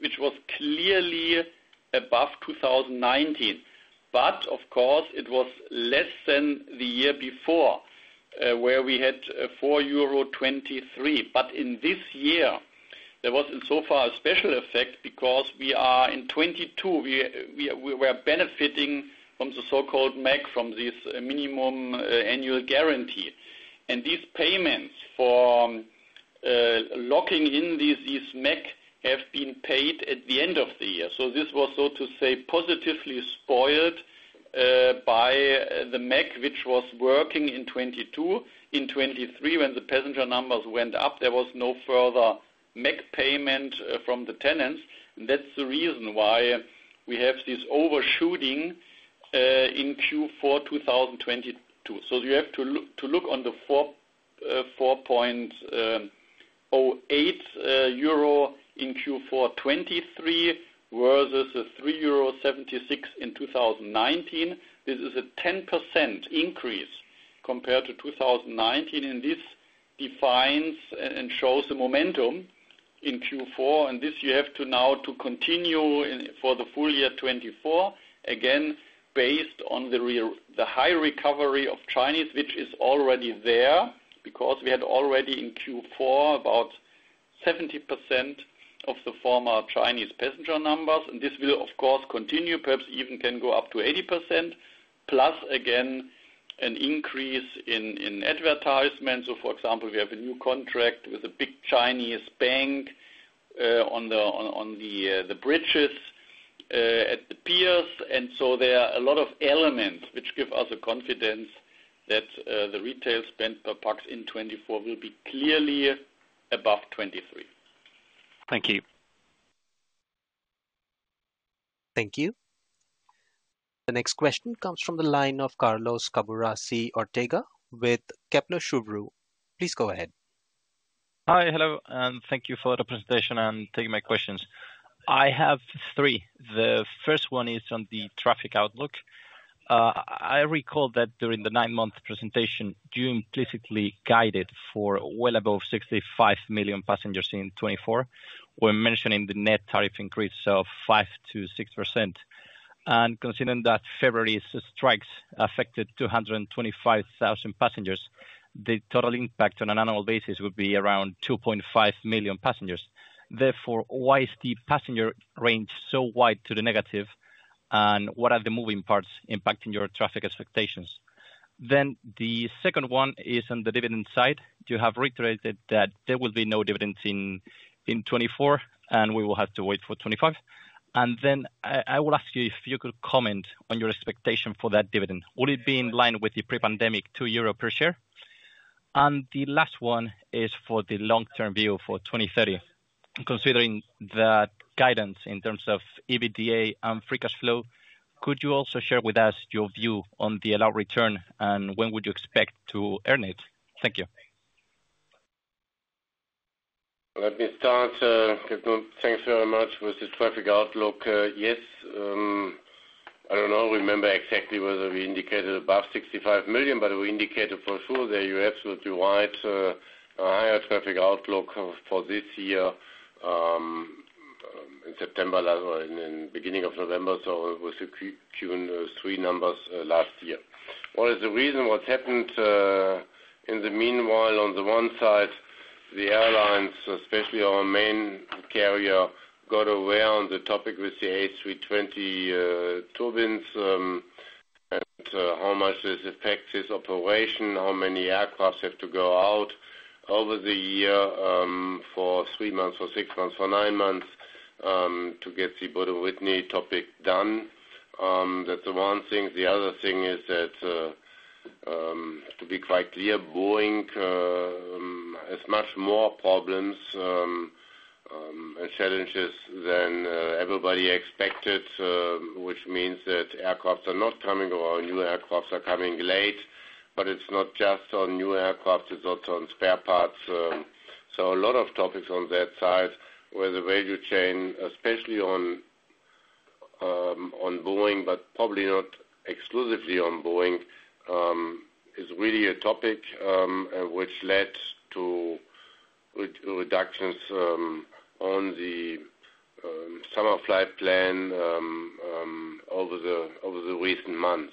which was clearly above 2019. But of course, it was less than the year before, where we had 4.23 euro. But in this year-... there was so far a special effect because we are in 2022, we are benefiting from the so-called MAG, from this minimum annual guarantee. And these payments for locking in these MAG have been paid at the end of the year. So this was, so to say, positively spoiled by the MAG, which was working in 2022. In 2023, when the passenger numbers went up, there was no further MAG payment from the tenants. And that's the reason why we have this overshooting in Q4 2022. So you have to look on the 4.08 euro in Q4 2023, versus the 3.76 euro in 2019. This is a 10% increase compared to 2019, and this defines and shows the momentum in Q4. This you have now to continue for the full year 2024, again, based on the high recovery of Chinese, which is already there, because we had already in Q4, about 70% of the former Chinese passenger numbers. This will, of course, continue, perhaps even can go up to 80%, plus again, an increase in advertisement. For example, we have a new contract with a big Chinese bank on the bridges at the piers. There are a lot of elements which give us the confidence that the retail spend per pax in 2024 will be clearly above 2023. Thank you. Thank you. The next question comes from the line of Carlos Caburrasi Ortega with Kepler Cheuvreux. Please go ahead. Hi, hello, and thank you for the presentation, and taking my questions. I have 3. The first 1 is on the traffic outlook. I recall that during the 9-month presentation, you implicitly guided for well above 65 million passengers in 2024, when mentioning the net tariff increase of 5%-6%. And considering that February's strikes affected 225,000 passengers, the total impact on an annual basis would be around 2.5 million passengers. Therefore, why is the passenger range so wide to the negative? And what are the moving parts impacting your traffic expectations? Then the second 1 is on the dividend side. You have reiterated that there will be no dividends in 2024, and we will have to wait for 2025. And then I will ask you if you could comment on your expectation for that dividend. Would it be in line with the pre-pandemic 2 euro per share? And the last 1 is for the long-term view for 2030. Considering that guidance in terms of EBITDA and free cash flow, could you also share with us your view on the allowed return, and when would you expect to earn it? Thank you. Let me start, thanks very much, with this traffic outlook. Yes, I don't know, remember exactly whether we indicated above 65 million, but we indicated for sure that you're absolutely right, a higher traffic outlook for this year, in September, or in the beginning of November. So it was a Q3 numbers, last year. What is the reason? What happened, in the meanwhile, on the 1 side, the airlines, especially our main carrier, got aware on the topic with the A320, turbines, and how much this affects this operation, how many aircraft have to go out over the year, for 3 months, for 6 months, for 9 months, to get the Pratt & Whitney topic done. That's the 1 thing. The other thing is that, to be quite clear, Boeing has much more problems and challenges than everybody expected, which means that aircraft are not coming or new aircraft are coming late. But it's not just on new aircraft, it's also on spare parts. So a lot of topics on that side, where the value chain, especially on Boeing, but probably not exclusively on Boeing, is really a topic, which led to reductions on the summer flight plan over the recent months.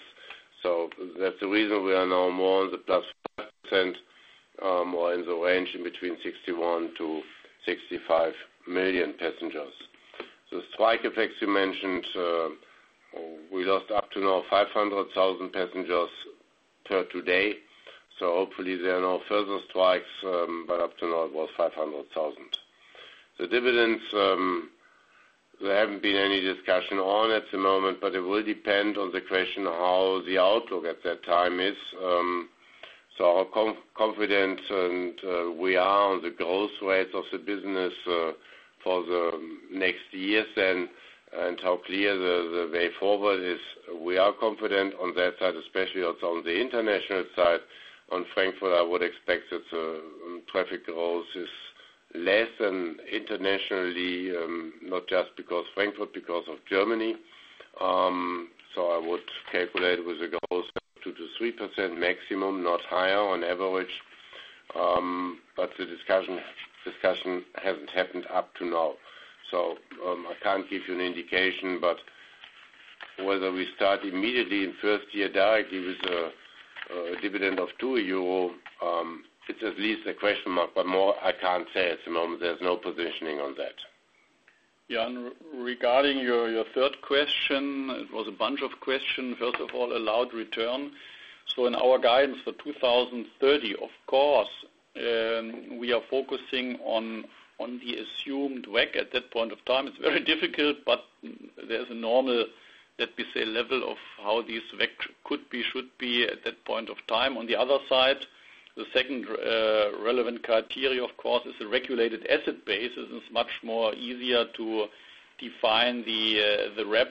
So that's the reason we are now more on the plus 5%, or in the range in between 61-65 million passengers. The strike effects you mentioned, we lost up to now, 500,000 passengers to date, so hopefully there are no further strikes, but up to now, it was 500,000. The dividends, there haven't been any discussion on at the moment, but it will depend on the question of how the outlook at that time is. So our confidence and we are on the growth rates of the business, for the next years, and how clear the way forward is. We are confident on that side, especially also on the international side. On Frankfurt, I would expect that, traffic growth is less than internationally, not just because Frankfurt, because of Germany. So I would calculate with the growth 2%-3% maximum, not higher on average. But the discussion hasn't happened up to now. So, I can't give you an indication, but whether we start immediately in first year directly with a dividend of 2 euro, it's at least a question mark, but more I can't say at the moment. There's no positioning on that. Yeah, and regarding your, your third question, it was a bunch of questions. First of all, allowed return. So in our guidance for 2030, of course, we are focusing on the assumed WACC at that point of time. It's very difficult, but there's a normal, let me say, level of how this WACC could be, should be at that point of time. On the other side, the second relevant criteria, of course, is the regulated asset base. It is much more easier to define the RAB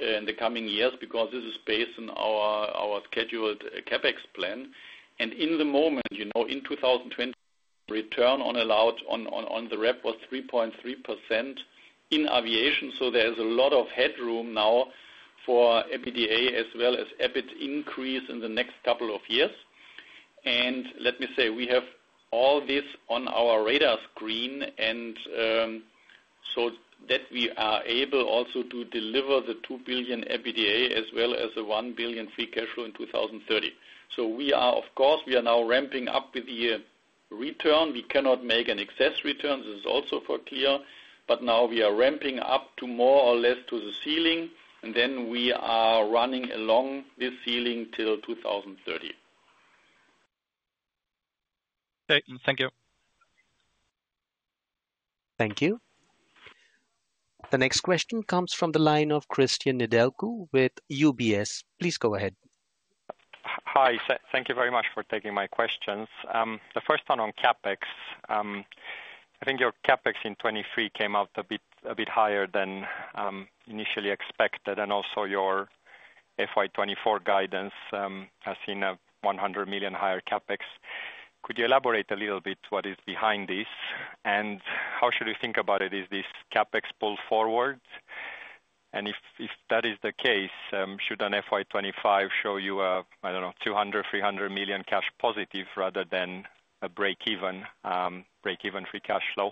in the coming years because this is based on our scheduled CapEx plan. And in the moment, you know, in 2020, allowed return on the RAB was 3.3% in aviation. So there's a lot of headroom now for EBITDA as well as EBIT increase in the next couple of years. And let me say, we have all this on our radar screen, and so that we are able also to deliver the 2 billion EBITDA as well as the 1 billion free cash flow in 2030. So we are, of course, we are now ramping up with the return. We cannot make an excess return. This is also clear, but now we are ramping up to more or less to the ceiling, and then we are running along this ceiling till 2030. Okay, thank you. Thank you. The next question comes from the line of Cristian Nedelcu with UBS. Please go ahead. Hi, sir. Thank you very much for taking my questions. The first 1 on CapEx. I think your CapEx in 2023 came out a bit, a bit higher than initially expected, and also your FY 2024 guidance has seen a 100 million higher CapEx. Could you elaborate a little bit what is behind this, and how should we think about it? Is this CapEx pull forward? And if that is the case, should an FY 2025 show you a, I don't know, 200 million, 300 million cash positive rather than a break even, break-even free cash flow?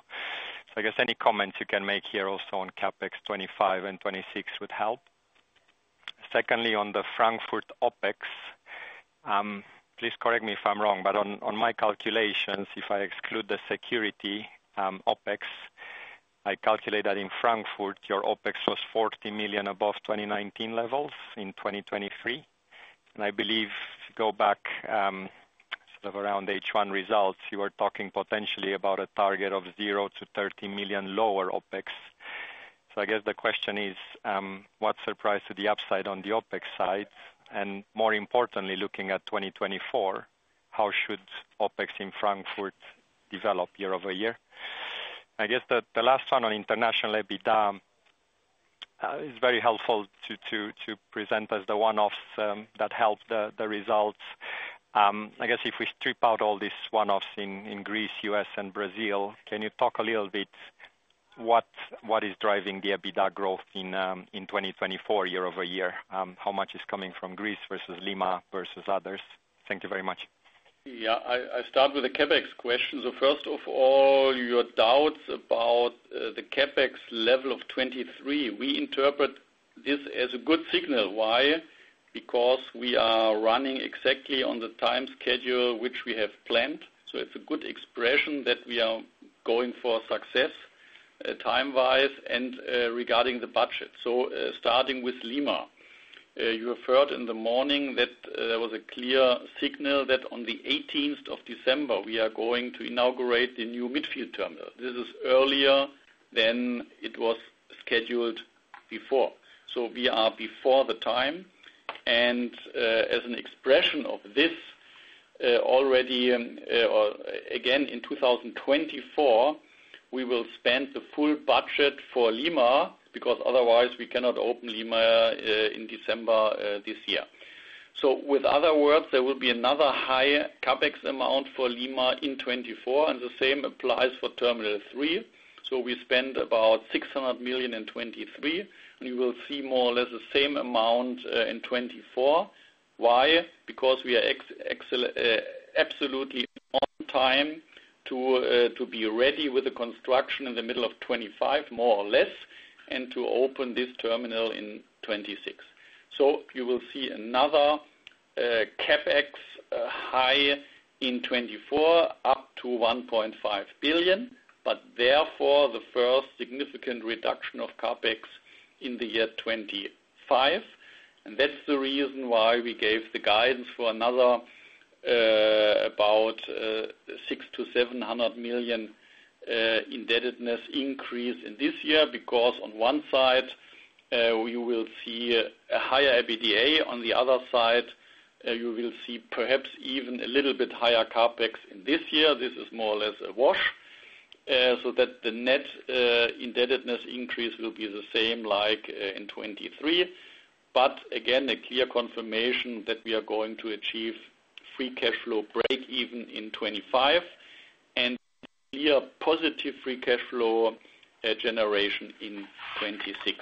So I guess any comments you can make here also on CapEx 2025 and 2026 would help. Secondly, on the Frankfurt OpEx, please correct me if I'm wrong, but on my calculations, if I exclude the security OpEx, I calculate that in Frankfurt, your OpEx was 40 million above 2019 levels in 2023. And I believe, go back, sort of around H1 results, you are talking potentially about a target of 0-30 million lower OpEx. So I guess the question is, what's the price to the upside on the OpEx side? And more importantly, looking at 2024, how should OpEx in Frankfurt develop year-over-year? I guess the last 1 on international EBITDA is very helpful to present as the 1-offs that help the results. I guess if we strip out all these 1-offs in, in Greece, U.S., and Brazil, can you talk a little bit what, what is driving the EBITDA growth in, in 2024 year-over-year? How much is coming from Greece versus Lima versus others? Thank you very much. Yeah, I start with the CapEx question. So first of all, your doubts about the CapEx level of 2023, we interpret this as a good signal. Why? Because we are running exactly on the time schedule, which we have planned. So it's a good expression that we are going for success, time-wise and regarding the budget. So, starting with Lima, you heard in the morning that there was a clear signal that on the 18th of December, we are going to inaugurate the new midfield terminal. This is earlier than it was scheduled before. So we are before the time, and as an expression of this, already, again, in 2024, we will spend the full budget for Lima, because otherwise we cannot open Lima in December this year. In other words, there will be another high CapEx amount for Lima in 2024, and the same applies for Terminal 3. We spend about 600 million in 2023, and you will see more or less the same amount in 2024. Why? Because we are absolutely on time to be ready with the construction in the middle of 2025, more or less, and to open this terminal in 2026. You will see another CapEx high in 2024, up to 1.5 billion, but therefore, the first significant reduction of CapEx in the year 2025. And that's the reason why we gave the guidance for another about 600 million-700 million indebtedness increase in this year. Because on 1 side, you will see a higher EBITDA. On the other side, you will see perhaps even a little bit higher CapEx in this year. This is more or less a wash, so that the net indebtedness increase will be the same like in 2023. But again, a clear confirmation that we are going to achieve free cash flow break-even in 2025 and clear positive free cash flow generation in 2026.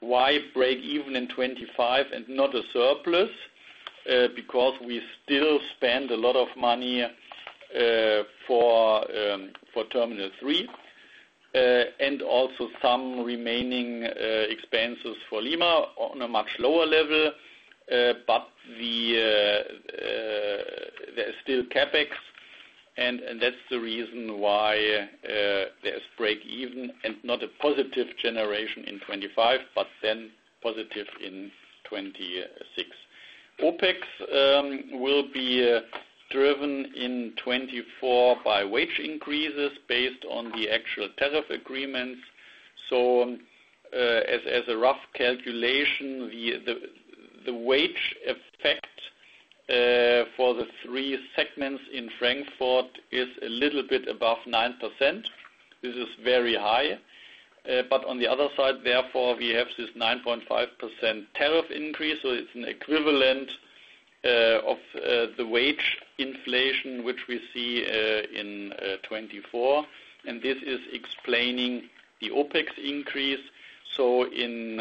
Why break even in 2025 and not a surplus? Because we still spend a lot of money for Terminal 3 and also some remaining expenses for Lima on a much lower level. But there's still CapEx, and that's the reason why there's break even and not a positive generation in 2025, but then positive in 2026. OpEx will be driven in 2024 by wage increases based on the actual tariff agreements. So, as a rough calculation, the wage effect for the 3 segments in Frankfurt is a little bit above 9%. This is very high, but on the other side, therefore, we have this 9.5% tariff increase, so it's an equivalent of the wage inflation, which we see in 2024. And this is explaining the OpEx increase. So in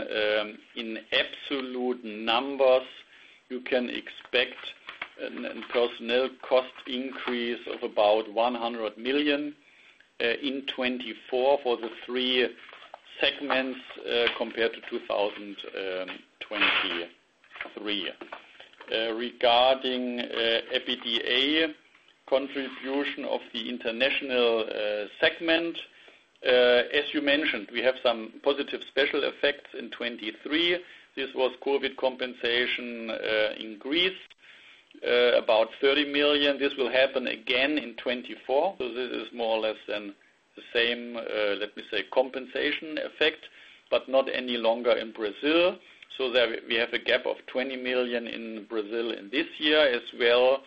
absolute numbers, you can expect a personnel cost increase of about 100 million in 2024 for the 3 segments compared to 2023. Regarding EBITDA contribution of the international segment, as you mentioned, we have some positive special effects in 2023. This was COVID compensation in Greece about 30 million. This will happen again in 2024. So this is more or less the same, let me say, compensation effect, but not any longer in Brazil. So there we have a gap of 20 million in Brazil in this year, as well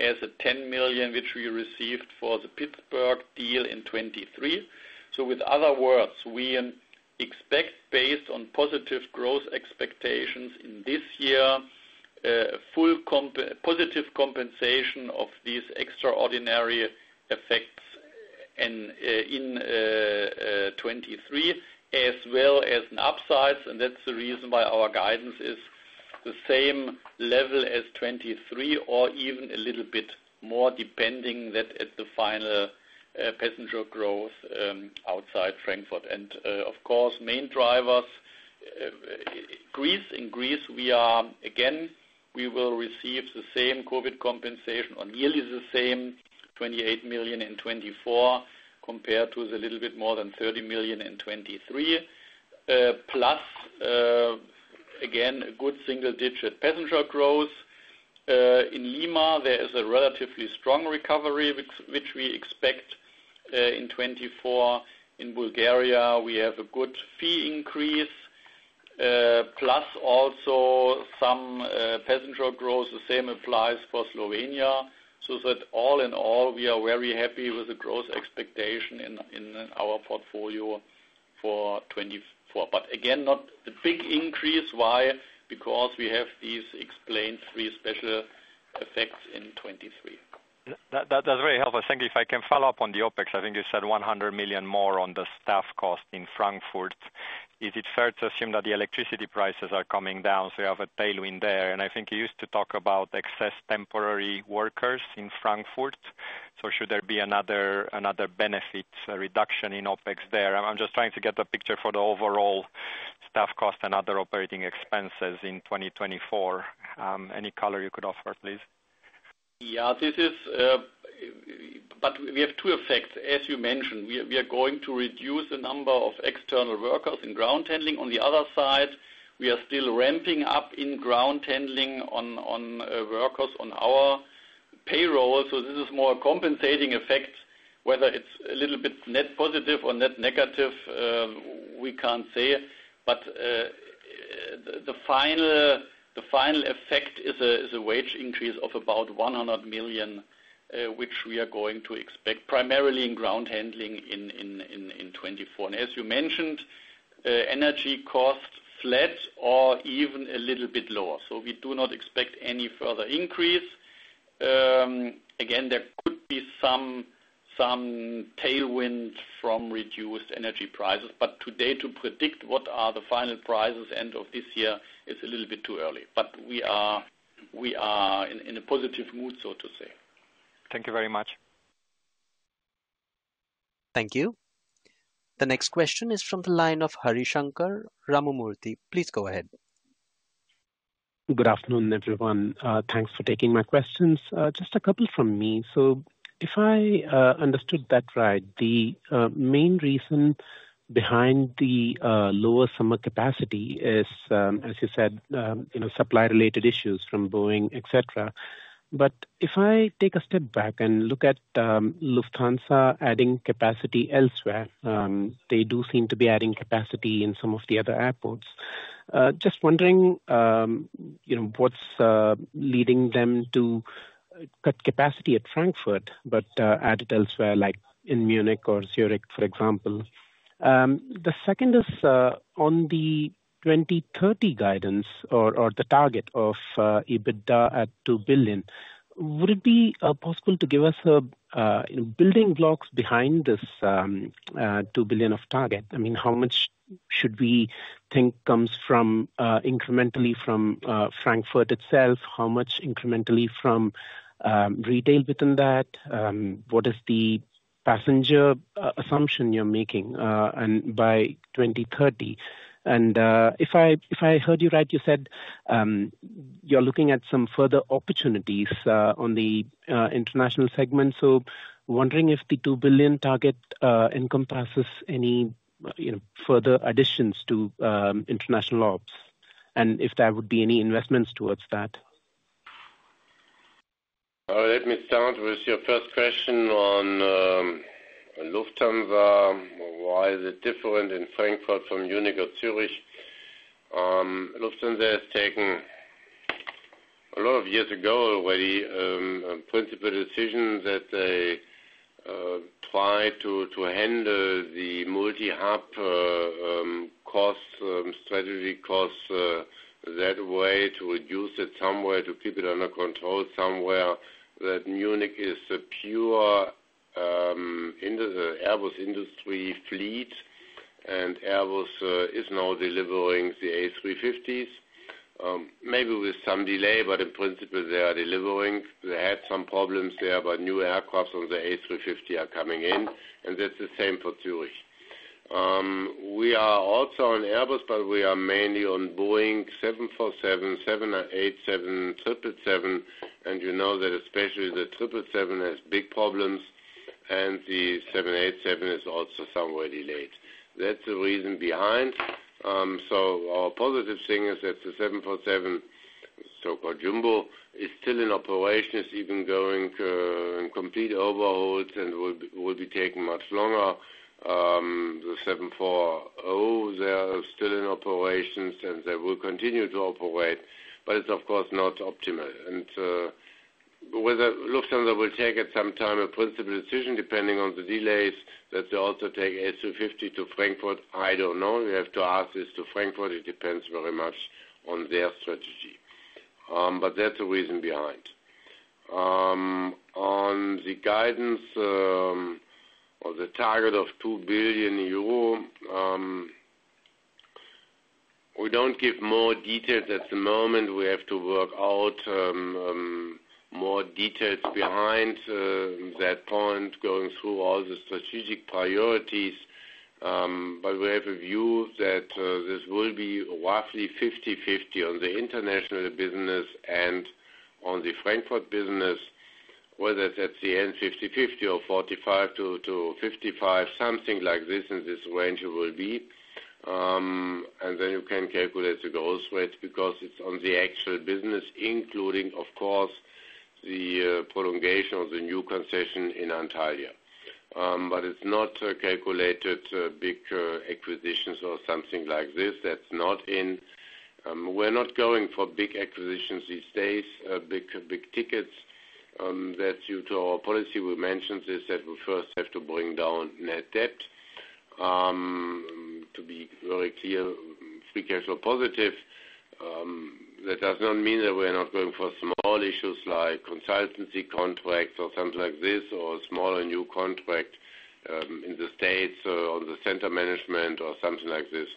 as 10 million, which we received for the Pittsburgh deal in 2023. So in other words, we expect based on positive growth expectations in this year, positive compensation of these extraordinary effects in 2023, as well as an upside. And that's the reason why our guidance is the same level as 2023 or even a little bit more, depending on the final passenger growth outside Frankfurt. And, of course, main drivers Greece. In Greece, we are again, we will receive the same COVID compensation on yearly the same, 28 million in 2024, compared to the little bit more than 30 million in 2023. Plus again a good single-digit passenger growth. In Lima, there is a relatively strong recovery, which we expect in 2024. In Bulgaria, we have a good fee increase, plus also some passenger growth. The same applies for Slovenia. So that all in all, we are very happy with the growth expectation in our portfolio for 2024. But again, not a big increase. Why? Because we have these explained 3 special effects in 2023. That's very helpful. Thank you. If I can follow up on the OpEx, I think you said 100 million more on the staff cost in Frankfurt. Is it fair to assume that the electricity prices are coming down, so you have a tailwind there? And I think you used to talk about excess temporary workers in Frankfurt. So should there be another benefit, a reduction in OpEx there? I'm just trying to get the picture for the overall staff cost and other operating expenses in 2024. Any color you could offer, please? Yeah, this is, but we have 2 effects. As you mentioned, we are going to reduce the number of external workers in ground handling. On the other side, we are still ramping up in ground handling on workers on our payroll. So this is more a compensating effect. Whether it's a little bit net positive or net negative, we can't say. But the final effect is a wage increase of about 100 million, which we are going to expect, primarily in ground handling in 2024. And as you mentioned, energy costs flat or even a little bit lower. So we do not expect any further increase. Again, there could be some tailwind from reduced energy prices, but today, to predict what are the final prices end of this year is a little bit too early. But we are in a positive mood, so to say. Thank you very much. Thank you. The next question is from the line of Harishankar Ramamoorthy. Please go ahead. Good afternoon, everyone. Thanks for taking my questions. Just a couple from me. So if I understood that right, the main reason behind the lower summer capacity is, as you said, you know, supply-related issues from Boeing, et cetera. But if I take a step back and look at Lufthansa adding capacity elsewhere, they do seem to be adding capacity in some of the other airports. Just wondering, you know, what's leading them to cut capacity at Frankfurt, but add it elsewhere, like in Munich or Zurich, for example? The second is on the 2030 guidance or the target of EBITDA at 2 billion. Would it be possible to give us the building blocks behind this 2 billion target? I mean, how much should we think comes from, incrementally from, Frankfurt itself? How much incrementally from, retail within that? What is the passenger, assumption you're making, and by 2030? And, if I, if I heard you right, you said, you're looking at some further opportunities, on the, international segment. So wondering if the 2 billion target, encompasses any, you know, further additions to, international ops, and if there would be any investments towards that? Let me start with your first question on Lufthansa. Why is it different in Frankfurt from Munich or Zurich? Lufthansa has taken a lot of years ago already a principal decision that they try to handle the multi-hub cost strategy costs that way, to reduce it somewhere, to keep it under control somewhere. That Munich is a pure into the Airbus industry fleet, and Airbus is now delivering the A350s. Maybe with some delay, but in principle, they are delivering. They had some problems there, but new aircraft on the A350 are coming in, and that's the same for Zurich. We are also on Airbus, but we are mainly on Boeing 747, 787, 777. You know that especially the 777 has big problems, and the 787 is also somewhat delayed. That's the reason behind. Our positive thing is that the 747, so-called Jumbo, is still in operation, is even going in complete overhauls and will, will be taking much longer. The 740, they are still in operations, and they will continue to operate, but it's of course not optimal. And whether Lufthansa will take at some time a principal decision, depending on the delays, that they also take A350 to Frankfurt, I don't know. You have to ask this to Frankfurt. It depends very much on their strategy. But that's the reason behind. On the guidance, or the target of 2 billion euro, we don't give more details at the moment. We have to work out more details behind that point, going through all the strategic priorities. But we have a view that this will be roughly 50/50 on the international business and on the Frankfurt business, whether it's at the end, 50/50 or 45-55, something like this, in this range it will be. And then you can calculate the growth rate because it's on the actual business, including, of course, the prolongation of the new concession in Antalya. But it's not calculated big acquisitions or something like this. That's not in. We're not going for big acquisitions these days, big tickets, that due to our policy, we mentioned this, that we first have to bring down Net Debt. To be very clear, free cash flow positive, that does not mean that we're not going for small issues like consultancy contracts or something like this, or smaller new contract, in the States, or on the center management or something like this.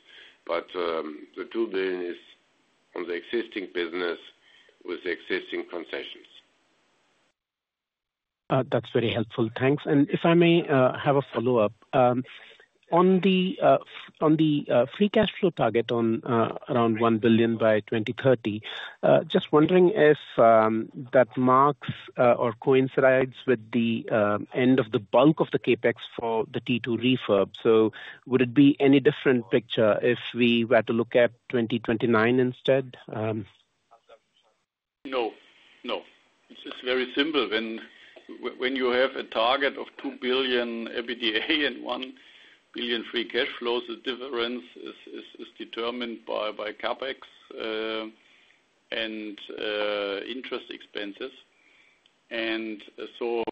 But, the 2 billion is on the existing business with the existing concessions. That's very helpful. Thanks. And if I may, have a follow-up. On the free cash flow target on around 1 billion by 2030, just wondering if that marks or coincides with the end of the bulk of the CapEx for the T2 refurb. So would it be any different picture if we were to look at 2029 instead? No, no. It's just very simple. When you have a target of 2 billion EBITDA and 1 billion free cash flows, the difference is determined by CapEx and interest expenses. And so,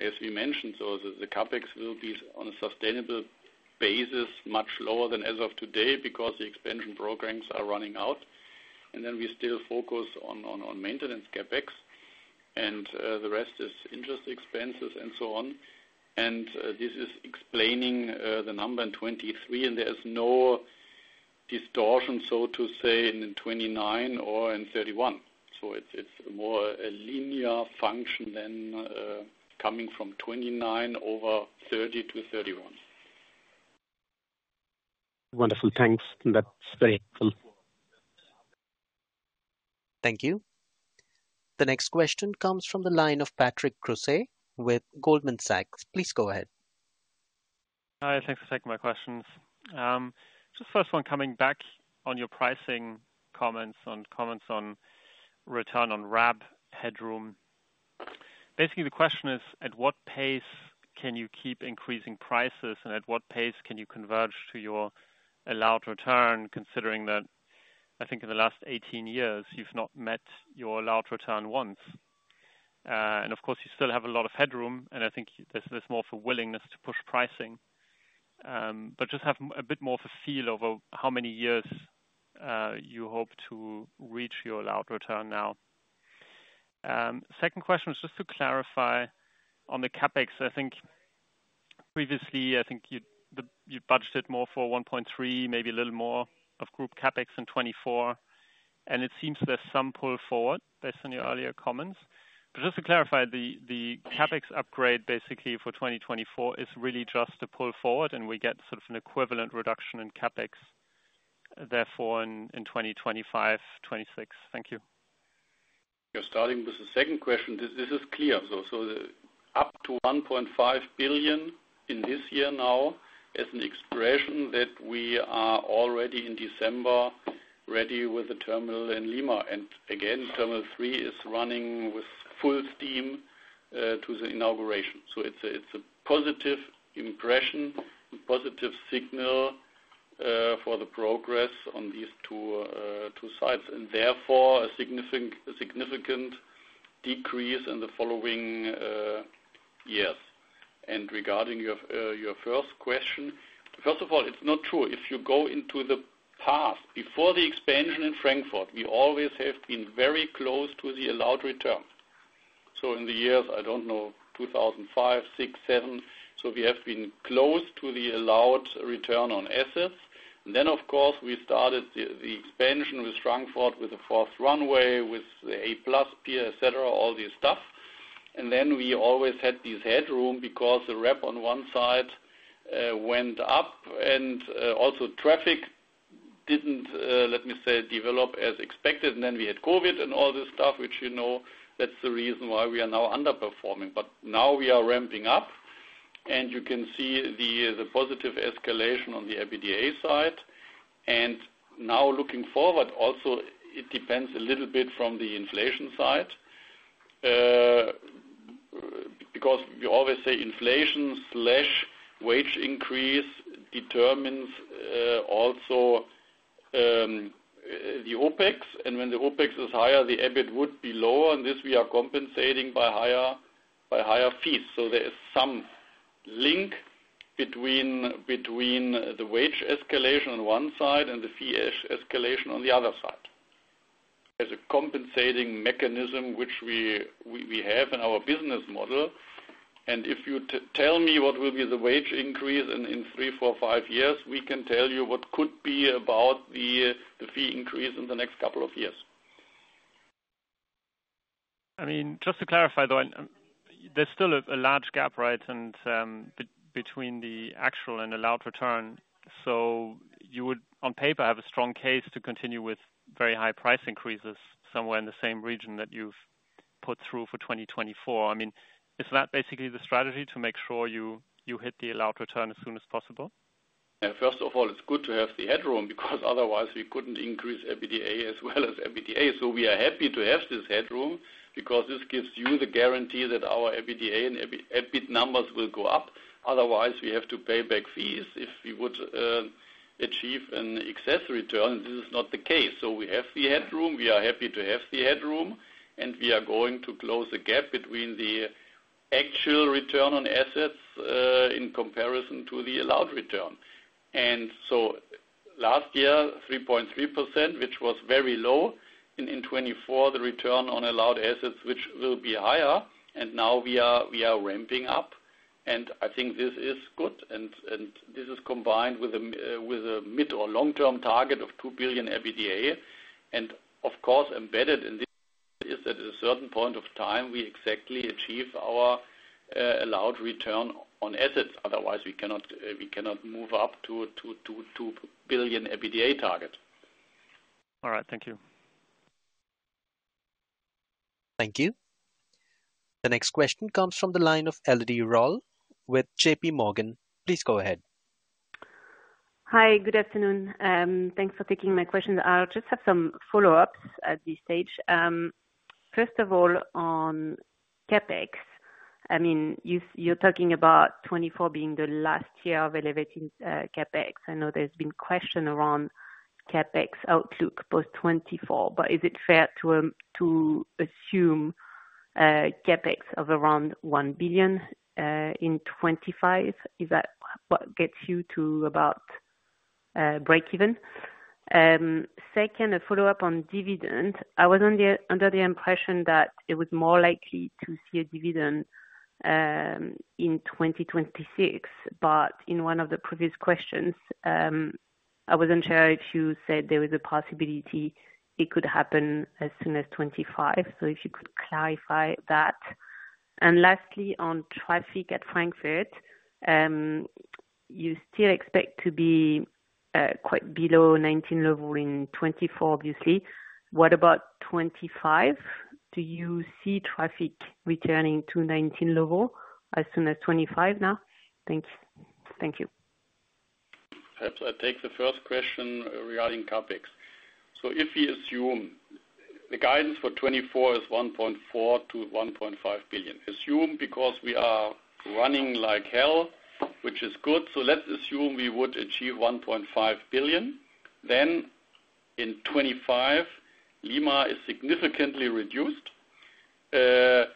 as we mentioned, the CapEx will be on a sustainable basis much lower than as of today, because the expansion programs are running out. And then we still focus on maintenance CapEx, and the rest is interest expenses and so on. And this is explaining the number in 2023, and there is no distortion, so to say, in 2029 or in 2031. So it's more a linear function than coming from 2029 over 2030 to 2031. Wonderful. Thanks. That's very helpful. Thank you. The next question comes from the line of Patrick Creuset with Goldman Sachs. Please go ahead. Hi, thanks for taking my questions. So first 1, coming back on your pricing comments, on comments on return on RAB headroom. Basically, the question is, at what pace can you keep increasing prices, and at what pace can you converge to your allowed return, considering that I think in the last 18 years, you've not met your allowed return once? And of course, you still have a lot of headroom, and I think there's more willingness to push pricing, but just have a bit more of a feel of how many years you hope to reach your allowed return now. Second question was just to clarify on the CapEx. I think previously, I think you budgeted more for 1.3, maybe a little more of group CapEx in 2024, and it seems there's some pull forward based on your earlier comments. But just to clarify, the CapEx upgrade basically for 2024 is really just a pull forward, and we get sort of an equivalent reduction in CapEx, therefore, in 2025, 2026. Thank you. You're starting with the second question. This is clear. So up to 1.5 billion this year now is an expression that we are already in December, ready with the terminal in Lima. And again, Terminal 3 is running with full steam to the inauguration. So it's a positive impression, a positive signal for the progress on these 2 sites, and therefore, a significant decrease in the following years. And regarding your first question, first of all, it's not true. If you go into the past, before the expansion in Frankfurt, we always have been very close to the allowed return. So in the years, I don't know, 2005, 2006, 2007, so we have been close to the allowed return on assets. Then, of course, we started the expansion with Frankfurt, with the fourth runway, with the A-Plus pier, et cetera, all this stuff. And then we always had this headroom because the RAB on 1 side went up, and also traffic didn't let me say, develop as expected. And then we had COVID and all this stuff, which, you know, that's the reason why we are now underperforming. But now we are ramping up, and you can see the positive escalation on the EBITDA side. And now, looking forward, also, it depends a little bit from the inflation side. Because we always say inflation/wage increase determines also the OpEx. And when the OpEx is higher, the EBIT would be lower, and this we are compensating by higher, by higher fees. So there is some link between the wage escalation on 1 side and the fee escalation on the other side. As a compensating mechanism, which we have in our business model, and if you tell me what will be the wage increase in 3, 4, 5 years, we can tell you what could be about the fee increase in the next couple of years. I mean, just to clarify, though, there's still a large gap, right? And between the actual and allowed return. So you would, on paper, have a strong case to continue with very high price increases somewhere in the same region that you've put through for 2024. I mean, is that basically the strategy to make sure you hit the allowed return as soon as possible? Yeah, first of all, it's good to have the headroom, because otherwise we couldn't increase EBITDA as well as EBITDA. So we are happy to have this headroom because this gives you the guarantee that our EBITDA and EBIT numbers will go up. Otherwise, we have to pay back fees if we would achieve an excess return, and this is not the case. So we have the headroom, we are happy to have the headroom, and we are going to close the gap between the actual return on assets in comparison to the allowed return. And so last year, 3.3%, which was very low, and in 2024, the return on allowed assets, which will be higher, and now we are ramping up, and I think this is good. This is combined with a mid- or long-term target of 2 billion EBITDA. And of course, embedded in this is at a certain point of time, we exactly achieve our allowed return on assets. Otherwise, we cannot, we cannot move up to 2 billion EBITDA target. All right. Thank you. Thank you. The next question comes from the line of Elodie Rall with JPMorgan. Please go ahead. Hi, good afternoon. Thanks for taking my question. I just have some follow-ups at this stage. First of all, on CapEx, I mean, you, you're talking about 2024 being the last year of elevating CapEx. I know there's been question around CapEx outlook for 2024, but is it fair to to assume CapEx of around 1 billion in 2025? Is that what gets you to about breakeven? Second, a follow-up on dividend. I was under the, under the impression that it was more likely to see a dividend in 2026, but in 1 of the previous questions, I wasn't sure if you said there was a possibility it could happen as soon as 2025. So if you could clarify that. And lastly, on traffic at Frankfurt, you still expect to be quite below 2019 level in 2024, obviously. What about 2025? Do you see traffic returning to 2019 level as soon as 2025 now? Thank you. Thank you. Perhaps I'll take the first question regarding CapEx. So if we assume the guidance for 2024 is 1.4 billion-1.5 billion, assume because we are running like hell, which is good, so let's assume we would achieve 1.5 billion, then in 2025, Lima is significantly reduced. T3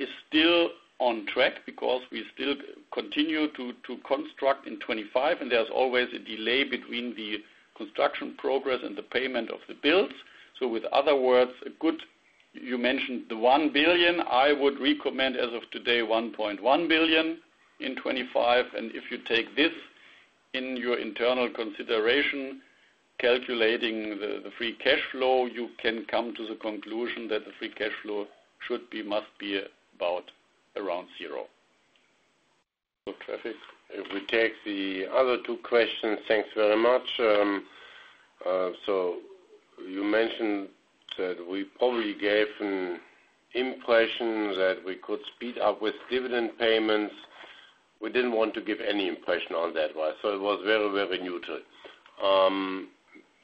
is still on track because we still continue to construct in 2025, and there's always a delay between the construction progress and the payment of the bills. So with other words, a good-- You mentioned the 1 billion. I would recommend, as of today, 1.1 billion in 2025, and if you take this in your internal consideration, calculating the free cash flow, you can come to the conclusion that the free cash flow should be, must be about around zero. So traffic, if we take the other 2 questions. Thanks very much. So you mentioned that we probably gave an impression that we could speed up with dividend payments. We didn't want to give any impression on that, right? So it was very, very neutral.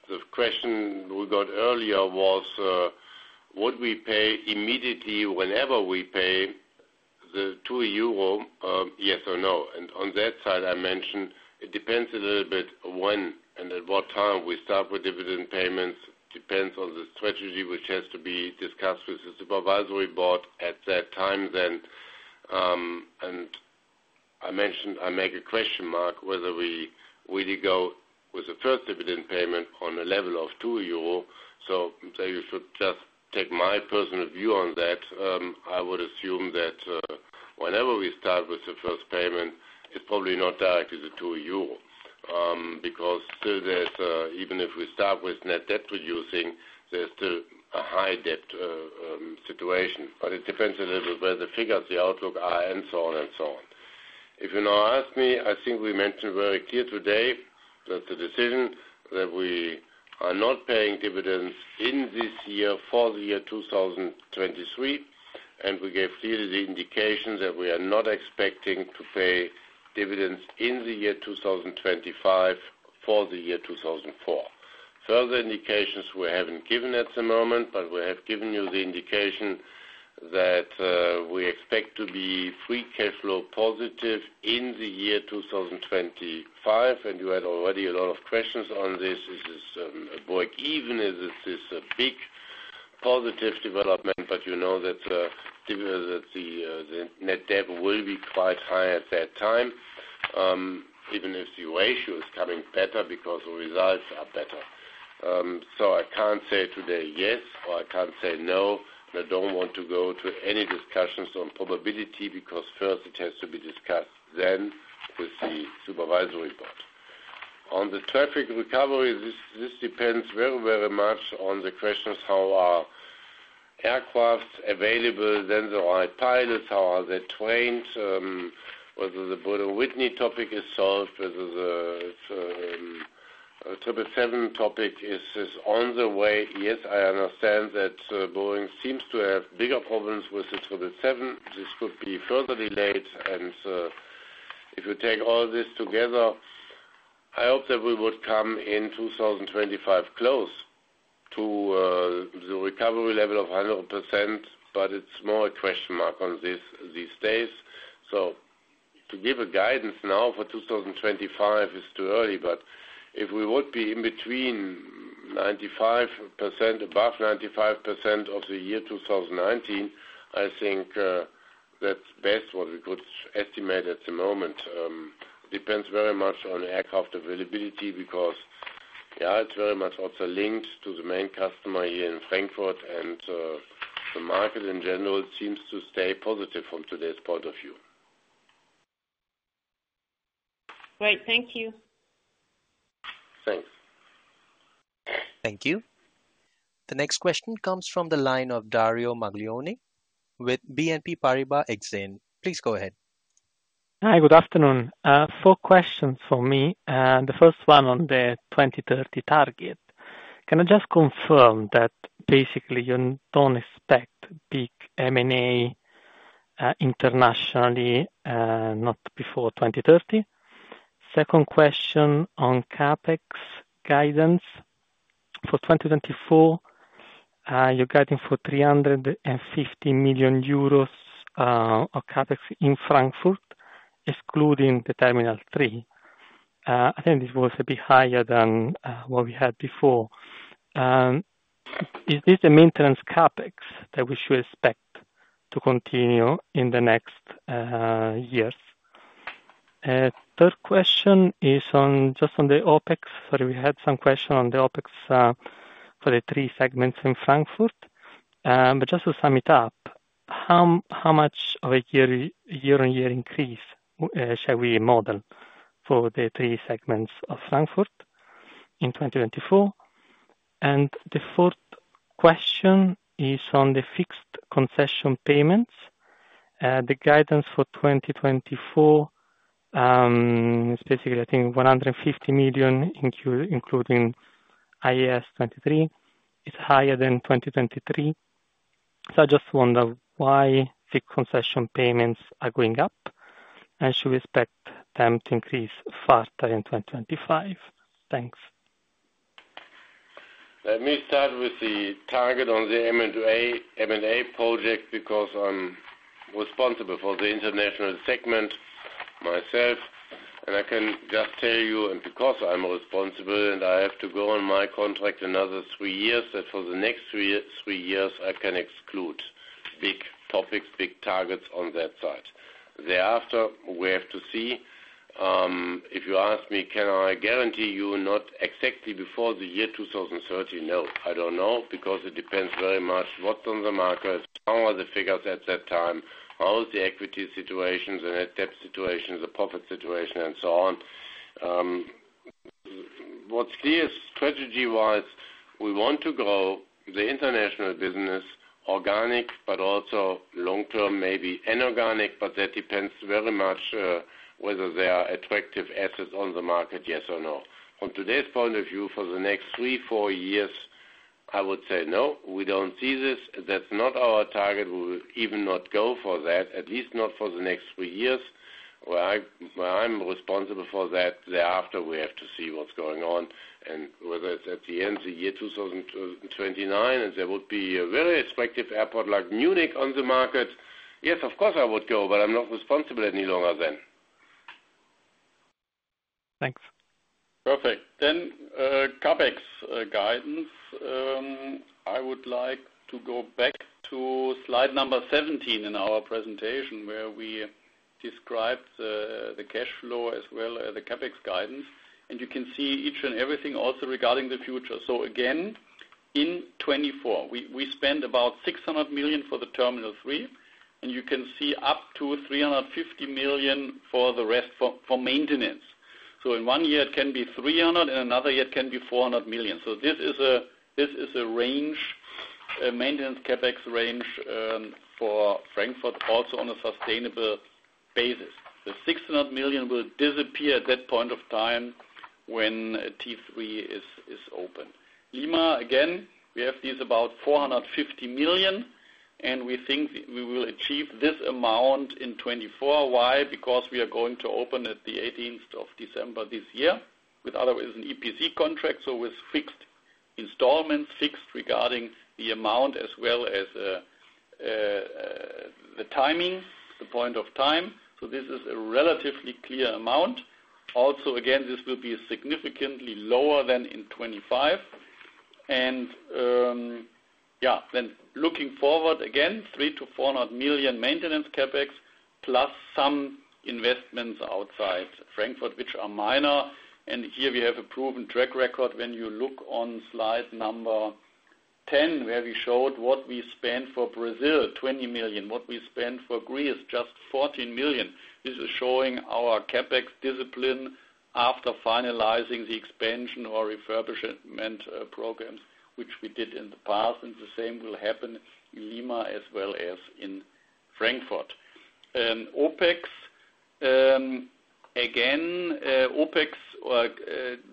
The question we got earlier was, would we pay immediately whenever we pay the 2 euro, yes or no? And on that side, I mentioned it depends a little bit when and at what time we start with dividend payments. Depends on the strategy, which has to be discussed with the supervisory board at that time then. And I mentioned I make a question mark, whether we really go with the first dividend payment on a level of 2 euro. So you should just take my personal view on that. I would assume that, whenever we start with the first payment, it's probably not directly the 2 euros, because still there's, even if we start with net debt reducing, there's still a high debt situation, but it depends a little where the figures, the outlook are, and so on and so on. If you now ask me, I think we mentioned very clear today that the decision that we are not paying dividends in this year for the year 2023, and we gave clearly the indication that we are not expecting to pay dividends in the year 2025 for the year 2024. Further indications we haven't given at the moment, but we have given you the indication that we expect to be free cash flow positive in the year 2025, and you had already a lot of questions on this. This is break even as this is a big positive development, but you know that given that the net debt will be quite high at that time, even if the ratio is coming better because the results are better. So I can't say today yes, or I can't say no, but I don't want to go to any discussions on probability, because first it has to be discussed then with the supervisory board. On the traffic recovery, this depends very, very much on the questions, how are aircraft available, then there are pilots, how are they trained, whether the Pratt & Whitney topic is solved, whether the 777 topic is on the way. Yes, I understand that Boeing seems to have bigger problems with the 777. This could be further delayed, and if you take all this together, I hope that we would come in 2025, close to the recovery level of 100%, but it's more a question mark on this these days. So to give a guidance now for 2025 is too early, but if we would be in between 95%, above 95% of the year 2019, I think that's best what we could estimate at the moment. Depends very much on aircraft availability, because, yeah, it's very much also linked to the main customer here in Frankfurt, and, the market in general seems to stay positive from today's point of view. Great. Thank you. Thanks. Thank you. The next question comes from the line of Dario Maglione with BNP Paribas Exane. Please go ahead. Hi, good afternoon. Four questions for me. The first 1 on the 2030 target. Can I just confirm that basically you don't expect big M&A, internationally, not before 2030? Second question on CapEx guidance for 2024. You're guiding for 350 million euros of CapEx in Frankfurt, excluding the Terminal 3. I think this was a bit higher than what we had before. Is this a maintenance CapEx that we should expect to continue in the next years? Third question is just on the OpEx. Sorry, we had some questions on the OpEx for the 3 segments in Frankfurt. But just to sum it up, how much of a year-on-year increase shall we model for the 3 segments of Frankfurt in 2024? The fourth question is on the fixed concession payments. The guidance for 2024, it's basically, I think, 150 million, including IAS 23, is higher than 2023. So I just wonder why the concession payments are going up, and should we expect them to increase faster in 2025? Thanks. Let me start with the target on the M and A, M&A project, because I'm responsible for the international segment.... myself, and I can just tell you, and because I'm responsible, and I have to go on my contract another 3 years, that for the next 3 years, 3 years, I can exclude big topics, big targets on that side. Thereafter, we have to see, if you ask me, can I guarantee you not exactly before the year 2030? No, I don't know, because it depends very much what's on the market, how are the figures at that time, how is the equity situations and the debt situation, the profit situation, and so on. What's clear, strategy-wise, we want to grow the international business organic, but also long term, maybe inorganic, but that depends very much, whether there are attractive assets on the market, yes or no. From today's point of view, for the next 3-4 years, I would say, no, we don't see this. That's not our target. We will even not go for that, at least not for the next 3 years, where I, where I'm responsible for that. Thereafter, we have to see what's going on and whether it's at the end of the year 2029, and there would be a very attractive airport like Munich on the market. Yes, of course, I would go, but I'm not responsible any longer then. Thanks. Perfect. Then, CapEx guidance. I would like to go back to slide number 17 in our presentation, where we described the, the cash flow as well as the CapEx guidance, and you can see each and everything also regarding the future. So again, in 2024, we, we spend about 600 million for the Terminal 3, and you can see up to 350 million for the rest for, for maintenance. So in 1 year, it can be 300 million, and another year it can be 400 million. So this is a, this is a range, a maintenance CapEx range, for Frankfurt, also on a sustainable basis. The 600 million will disappear at that point of time when T3 is, is open. Lima, again, we have this about 450 million, and we think we will achieve this amount in 2024. Why? Because we are going to open at the 18th of December this year, with otherwise an EPC contract, so with fixed installments, fixed regarding the amount as well as, the timing, the point of time. So this is a relatively clear amount. Also, again, this will be significantly lower than in 2025. And, yeah, then looking forward, again, 300 million-400 million maintenance CapEx, plus some investments outside Frankfurt, which are minor. And here we have a proven track record. When you look on slide 10, where we showed what we spent for Brazil, 20 million, what we spent for Greece, just 14 million. This is showing our CapEx discipline after finalizing the expansion or refurbishment programs, which we did in the past, and the same will happen in Lima as well as in Frankfurt. OpEx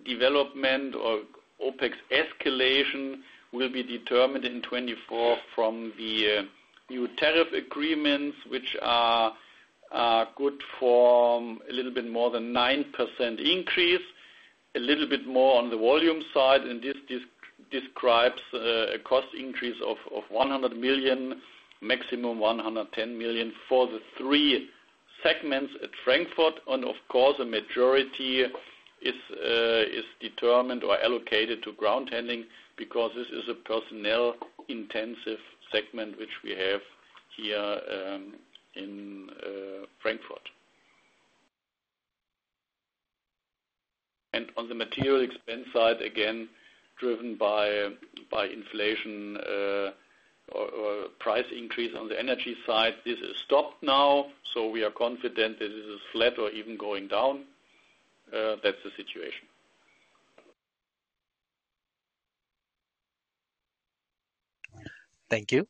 development or OpEx escalation will be determined in 2024 from the new tariff agreements, which are good for a little bit more than 9% increase, a little bit more on the volume side. This describes a cost increase of 100 million, maximum 110 million for the 3 segments at Frankfurt. Of course, the majority is determined or allocated to ground handling because this is a personnel-intensive segment which we have here in Frankfurt. On the material expense side, again, driven by inflation or price increase on the energy side, this is stopped now, so we are confident this is flat or even going down. That's the situation. Thank you.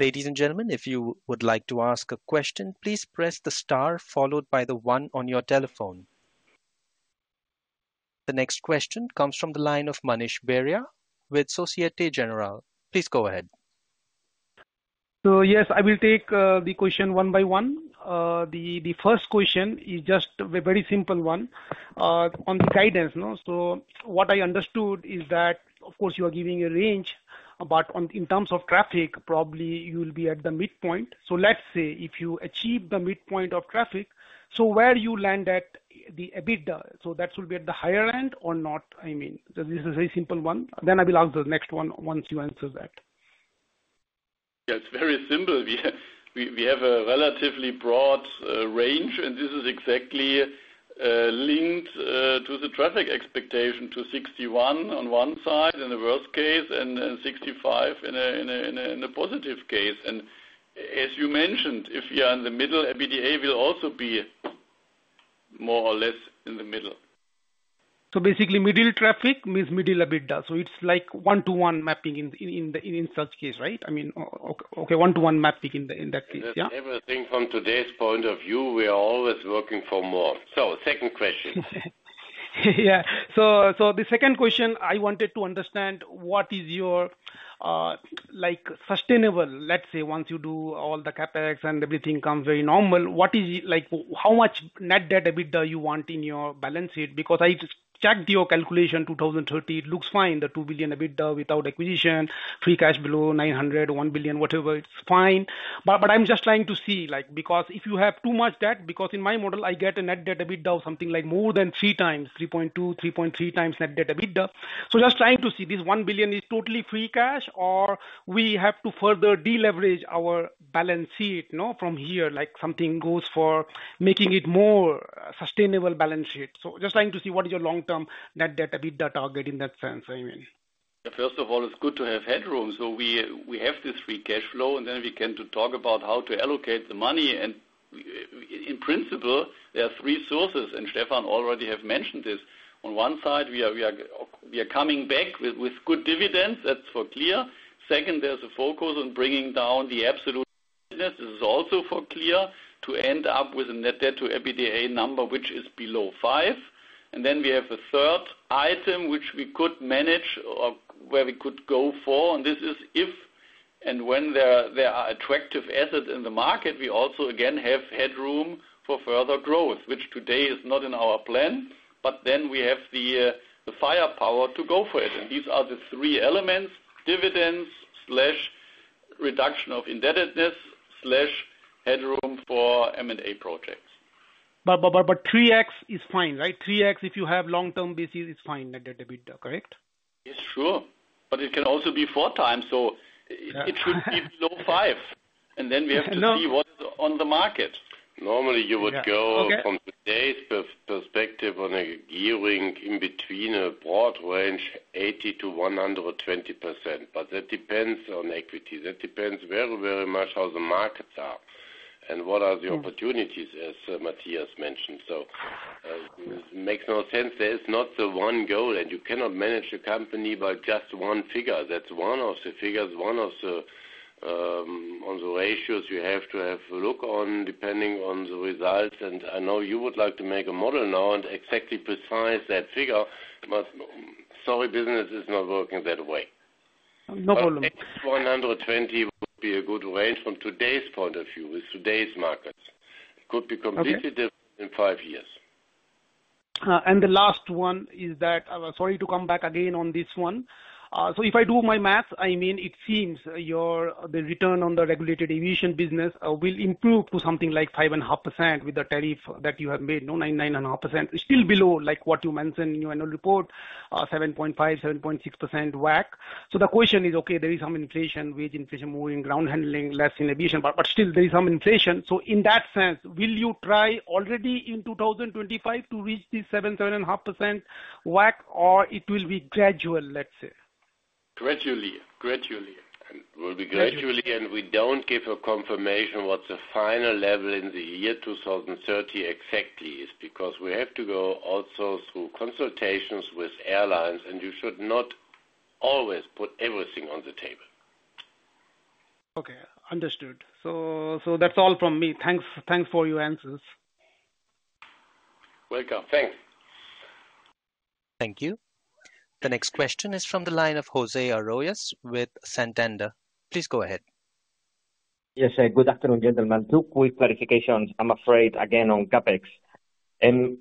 Ladies and gentlemen, if you would like to ask a question, please press the star followed by the 1 on your telephone. The next question comes from the line of Manish Beria with Société Générale. Please go ahead. So yes, I will take the question 1 by 1. The first question is just a very simple 1 on the guidance, no? So what I understood is that, of course, you are giving a range, but in terms of traffic, probably you will be at the midpoint. So let's say if you achieve the midpoint of traffic, so where you land at the EBITDA? So that will be at the higher end or not, I mean. So this is a very simple 1. Then I will ask the next 1 once you answer that. Yeah, it's very simple. We have a relatively broad range, and this is exactly linked to the traffic expectation, to 61 on 1 side in the worst case, and 65 in a positive case. And as you mentioned, if we are in the middle, EBITDA will also be more or less in the middle. So basically, middle traffic means middle EBITDA. So it's like 1-to-one mapping in such case, right? I mean, okay, 1-to-one mapping in that case, yeah? Everything from today's point of view, we are always working for more. So second question. Yeah. So, the second question, I wanted to understand, what is your, like sustainable, let's say, once you do all the CapEx and everything comes very normal, what is, like, how much net debt EBITDA you want in your balance sheet? Because I checked your calculation, 2030, it looks fine, the 2 billion EBITDA without acquisition, free cash flow 900 million, 1 billion, whatever, it's fine. But, I'm just trying to see, like, because if you have too much debt, because in my model I get a net debt EBITDA of something like more than 3x, 3.2, 3.3x net debt EBITDA. So just trying to see, this 1 billion is totally free cash, or we have to further deleverage our balance sheet, no, from here, like something goes for making it more sustainable balance sheet. Just trying to see what your long-term net debt/EBITDA target is in that sense, I mean? First of all, it's good to have headroom. So we have this free cash flow, and then we can talk about how to allocate the money. In principle, there are 3 sources, and Stefan already have mentioned this. On 1 side, we are coming back with good dividends. That's for sure. Second, there's a focus on bringing down the absolute debt. This is also for sure, to end up with a net debt to EBITDA number, which is below five. And then we have a third item, which we could manage or where we could go for, and this is if and when there are attractive assets in the market, we also again have headroom for further growth, which today is not in our plan, but then we have the firepower to go for it. These are the 3 elements: dividends/reduction of indebtedness/headroom for M&A projects. But 3x is fine, right? 3x, if you have long-term basis, is fine, net debt to EBITDA, correct? It's true, but it can also be four times, so it should be below five. Then we have to see what's on the market. Normally, you would go- Okay. From today's perspective on a gearing in between a broad range, 80%-120%, but that depends on equity. That depends very, very much how the markets are and what are the opportunities, as Matthias mentioned. So, makes no sense. There is not the 1 goal, and you cannot manage a company by just 1 figure. That's 1 of the figures, 1 of the, on the ratios you have to have a look on, depending on the results. And I know you would like to make a model now and exactly precise that figure, but sorry, business is not working that way. No problem. 120 would be a good range from today's point of view, with today's markets. It could be completely- Okay. different in five years. And the last 1 is that... Sorry to come back again on this 1. So if I do my math, I mean, it seems your, the return on the regulated aviation business, will improve to something like 5.5% with the tariff that you have made, no, 9-9.5%. It's still below, like what you mentioned in your annual report, 7.5-7.6% WACC. So the question is, okay, there is some inflation, wage inflation, moving ground handling, less in aviation, but still there is some inflation. So in that sense, will you try already in 2025 to reach this 7-7.5% WACC, or it will be gradual, let's say? Gradually. Gradually. And will be gradually, and we don't give a confirmation what the final level in the year 2030 exactly is, because we have to go also through consultations with airlines, and you should not always put everything on the table. Okay, understood. So, so that's all from me. Thanks, thanks for your answers. Welcome. Thanks. Thank you. The next question is from the line of José Arroyas with Santander. Please go ahead. Yes, good afternoon, gentlemen. 2 quick clarifications, I'm afraid, again, on CapEx.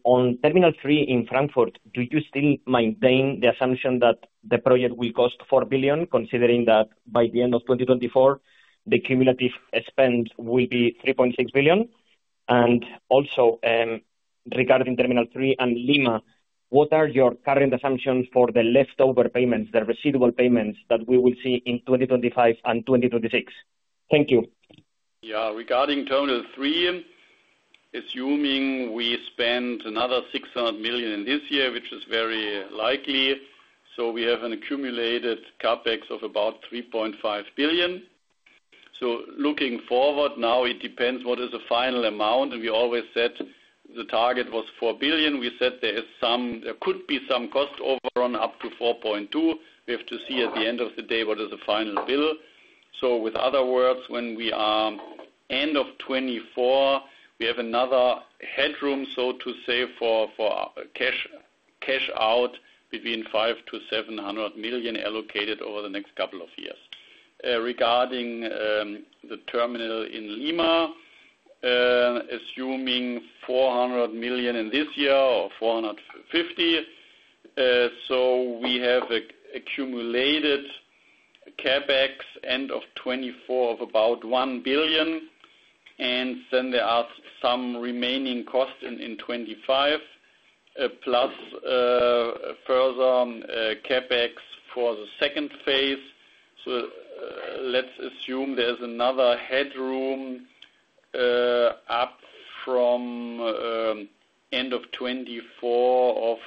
On Terminal 3 in Frankfurt, do you still maintain the assumption that the project will cost 4 billion, considering that by the end of 2024, the cumulative spend will be 3.6 billion? And also, regarding Terminal 3 and Lima, what are your current assumptions for the leftover payments, the receivable payments that we will see in 2025 and 2026? Thank you. Yeah. Regarding Terminal 3, assuming we spend another 600 million in this year, which is very likely, so we have an accumulated CapEx of about 3.5 billion. So looking forward, now, it depends what is the final amount, and we always said the target was 4 billion. We said there is some--there could be some cost overrun up to 4.2 billion. We have to see at the end of the day, what is the final bill. So in other words, when we are end of 2024, we have another headroom, so to say, for cash out between 500 million-700 million allocated over the next couple of years. Regarding the terminal in Lima, assuming 400 million in this year or 450 million, so we have accumulated CapEx end of 2024 of about 1 billion, and then there are some remaining costs in 2025, plus further CapEx for the second phase. So, let's assume there's another headroom up from end of 2024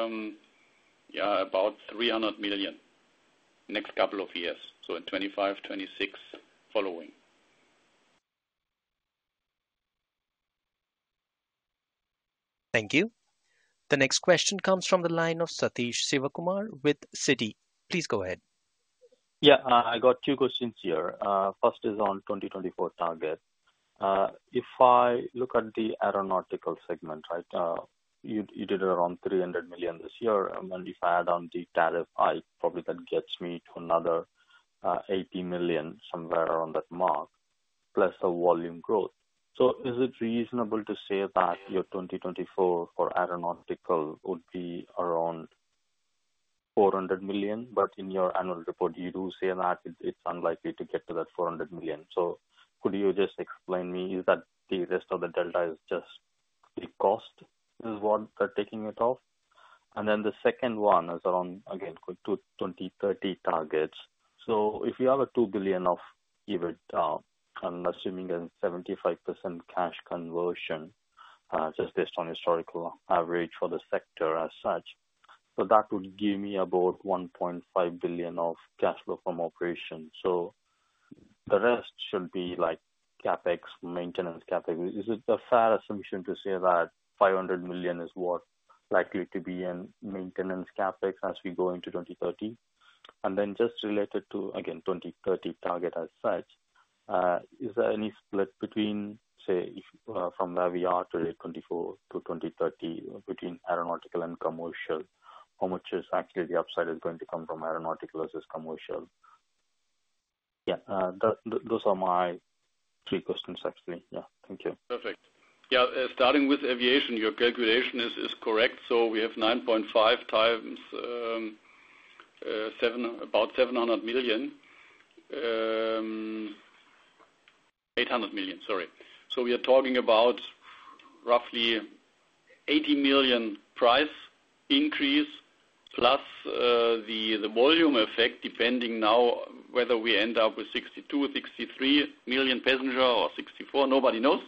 of yeah, about 300 million, next couple of years, so in 2025, 2026 following. Thank you. The next question comes from the line of Sathish Sivakumar with Citi. Please go ahead. Yeah, I got 2 questions here. First is on 2024 target. If I look at the aeronautical segment, right? You, you did around 300 million this year, and then if I add on the tariff, I—probably that gets me to another, 80 million, somewhere around that mark, plus the volume growth. So is it reasonable to say that your 2024 for aeronautical would be around 400 million? But in your annual report, you do say that it's, it's unlikely to get to that 400 million. So could you just explain me, is that the rest of the delta is just the cost, is what they're taking it off? And then the second 1 is around, again, to 2030 targets. So if you have 2 billion of EBIT, I'm assuming a 75% cash conversion, just based on historical average for the sector as such. So that would give me about 1.5 billion of cash flow from operation. So the rest should be like CapEx, maintenance CapEx. Is it a fair assumption to say that 500 million is what likely to be in maintenance CapEx as we go into 2030? And then just related to, again, 2030 target as such, is there any split between, say, if, from where we are today, 2024 to 2030, between aeronautical and commercial? How much is actually the upside is going to come from aeronautical versus commercial? Yeah, those are my 3 questions, actually. Yeah. Thank you. Perfect. Yeah, starting with aviation, your calculation is correct. So we have 9.5x seven—about 700 million, 800 million, sorry. So we are talking about roughly 80 million price increase, plus the volume effect, depending now whether we end up with 62, 63 million passengers or 64, nobody knows.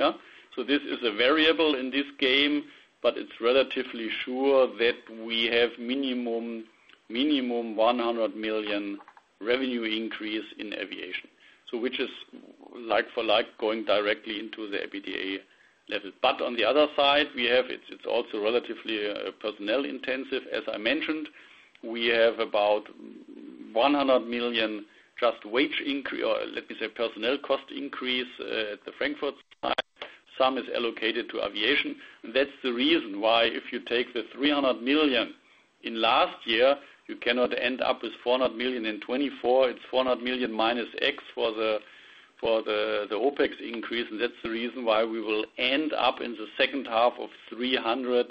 Yeah? So this is a variable in this game, but it's relatively sure that we have minimum, minimum 100 million revenue increase in aviation. So which is like for like, going directly into the EBITDA level. But on the other side, we have, it's also relatively personnel intensive, as I mentioned. We have about 100 million just wage increase, or let me say, personnel cost increase at the Frankfurt site. Some is allocated to aviation. That's the reason why if you take the 300 million in last year, you cannot end up with 400 million in 2024. It's 400 million minus X for the OpEx increase, and that's the reason why we will end up in the second half of 300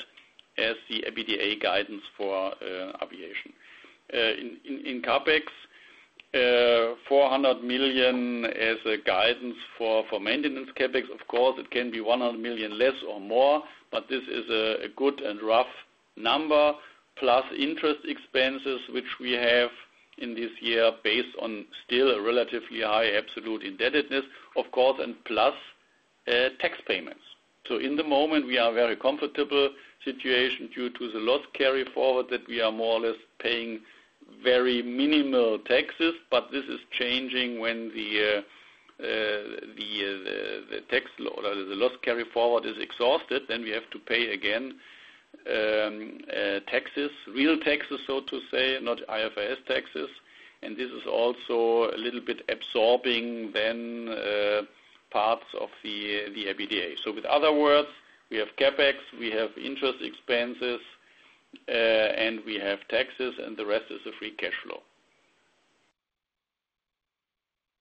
as the EBITDA guidance for aviation. In CapEx, 400 million as a guidance for maintenance CapEx. Of course, it can be 100 million less or more, but this is a good and rough number, plus interest expenses, which we have in this year, based on still a relatively high absolute indebtedness, of course, and plus tax payments. So in the moment, we are very comfortable situation due to the Loss Carry Forward, that we are more or less paying very minimal taxes, but this is changing when the tax law, the Loss Carry Forward is exhausted, then we have to pay again taxes, real taxes, so to say, not IFRS taxes. And this is also a little bit absorbing then parts of the EBITDA. So with other words, we have CapEx, we have interest expenses, and we have taxes, and the rest is the Free Cash Flow.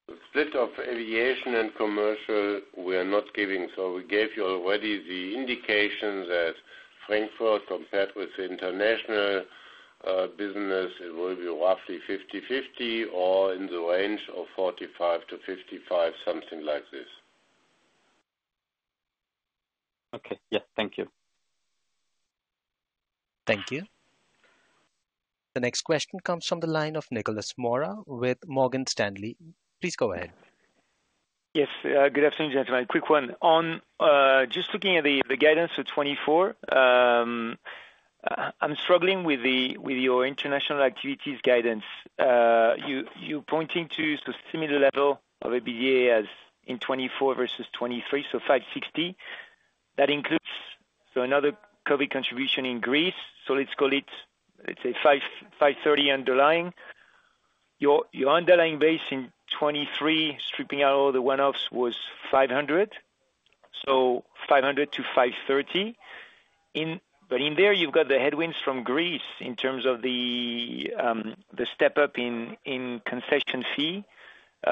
The split of aviation and commercial, we are not giving. So we gave you already the indication that Frankfurt, compared with the international business, it will be roughly 50/50 or in the range of 45%-55%, something like this. Okay. Yeah. Thank you. Thank you. The next question comes from the line of Nicolas Mora with Morgan Stanley. Please go ahead. Yes, good afternoon, gentlemen. Quick 1. On just looking at the guidance for 2024, I'm struggling with the with your international activities guidance. You you're pointing to so similar level of EBITDA as in 2024 versus 2023, so 560 million. That includes so another COVID contribution in Greece, so let's call it, let's say 530 million underlying. Your your underlying base in 2023, stripping out all the 1-offs was 500 million, so 500 million-530 million. But in there, you've got the headwinds from Greece in terms of the the step up in in concession fee.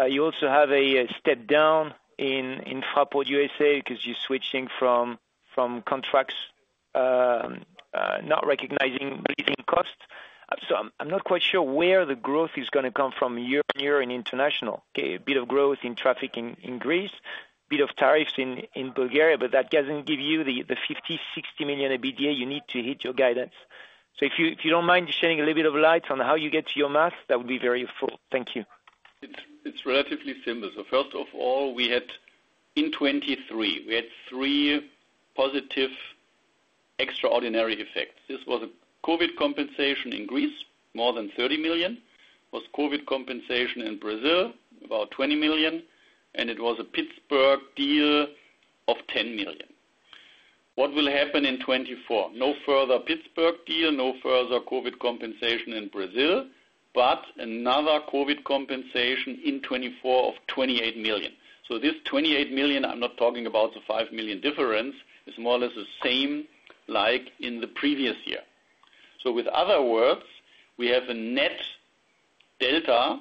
You also have a step down in in Fraport USA, because you're switching from from contracts not recognizing leasing costs. So I'm I'm not quite sure where the growth is gonna come from Europe and international. Okay, a bit of growth in traffic in Greece, bit of traffic in Bulgaria, but that doesn't give you the 50 million-60 million EBITDA you need to hit your guidance. So if you don't mind shedding a little bit of light on how you get to your math, that would be very helpful. Thank you. It's, it's relatively simple. So first of all, we had in 2023, we had 3 positive extraordinary effects. This was a COVID compensation in Greece, more than 30 million, was COVID compensation in Brazil, about 20 million, and it was a Pittsburgh deal. What will happen in 2024? No further Pittsburgh deal, no further COVID compensation in Brazil, but another COVID compensation in 2024 of 28 million. So this 28 million, I'm not talking about the 5 million difference, is more or less the same like in the previous year. So with other words, we have a net delta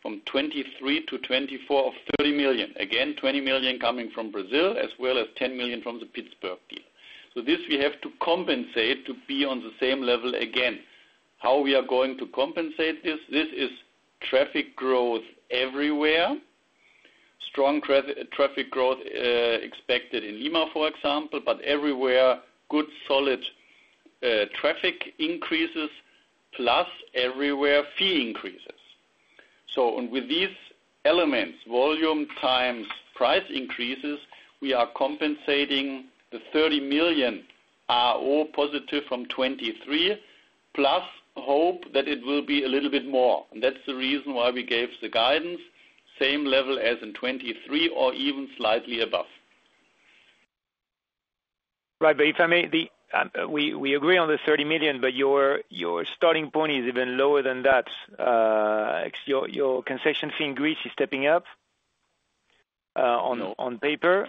from 2023 to 2024 of 30 million. Again, 20 million coming from Brazil, as well as 10 million from the Pittsburgh deal. So this we have to compensate to be on the same level again. How we are going to compensate this? This is traffic growth everywhere. Strong traffic growth expected in Lima, for example, but everywhere, good, solid, traffic increases, plus everywhere, fee increases. So, and with these elements, volume times price increases, we are compensating. The 30 million are all positive from 2023, plus hope that it will be a little bit more. That's the reason why we gave the guidance, same level as in 2023 or even slightly above. Right. But if I may, we agree on the 30 million, but your starting point is even lower than that. Your concession fee in Greece is stepping up, No. On paper.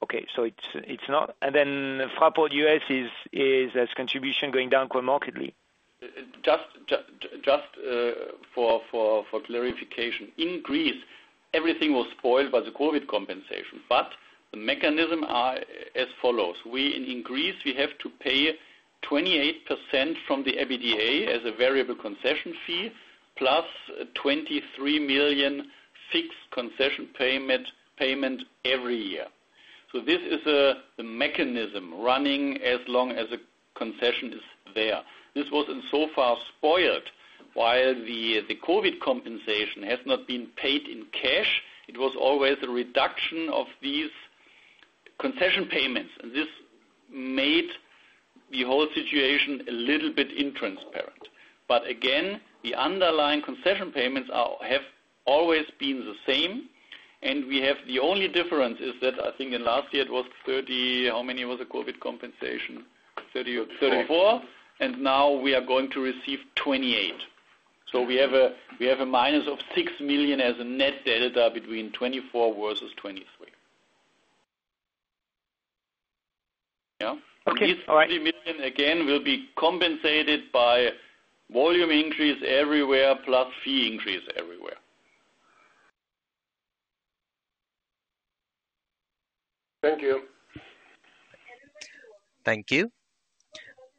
Okay, so it's not. And then Fraport USA is its contribution going down quite markedly? Just for clarification. In Greece, everything was spoiled by the COVID compensation, but the mechanism are as follows: we, in Greece, we have to pay 28% from the EBITDA as a variable concession fee, plus 23 million fixed concession payment every year. So this is the mechanism running as long as the concession is there. This was insofar spoiled. While the COVID compensation has not been paid in cash, it was always a reduction of these concession payments, and this made the whole situation a little bit intransparent. But again, the underlying concession payments are, have always been the same, and we have the only difference is that I think in last year it was thirty... How many was the COVID compensation? Thirty or- 34. 34, and now we are going to receive 28. So we have a minus of 6 million as a net delta between 2024 versus 2023. Yeah. Okay, all right. This 30 million, again, will be compensated by volume increase everywhere, plus fee increase everywhere. Thank you. Thank you.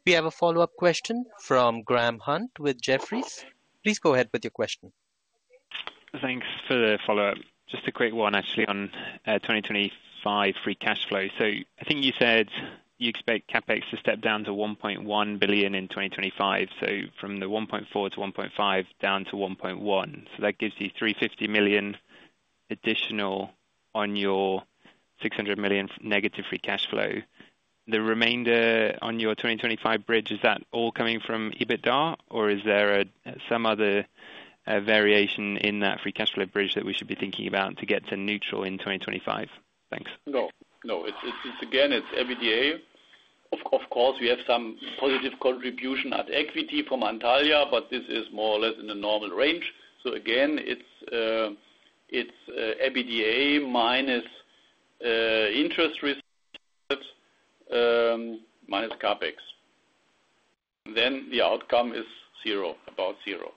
We have a follow-up question from Graham Hunt with Jefferies. Please go ahead with your question. Thanks for the follow-up. Just a quick 1, actually, on 2025 free cash flow. So I think you said you expect CapEx to step down to 1.1 billion in 2025. So from the 1.4 billion-1.5 billion, down to 1.1 billion. So that gives you 350 million additional on your 600 million negative free cash flow. The remainder on your 2025 bridge, is that all coming from EBITDA, or is there some other variation in that free cash flow bridge that we should be thinking about to get to neutral in 2025? Thanks. No, it's again, it's EBITDA. Of course, we have some positive contribution at equity from Antalya, but this is more or less in the normal range. So again, it's EBITDA minus interest risk minus CapEx. Then the outcome is zero, about zero.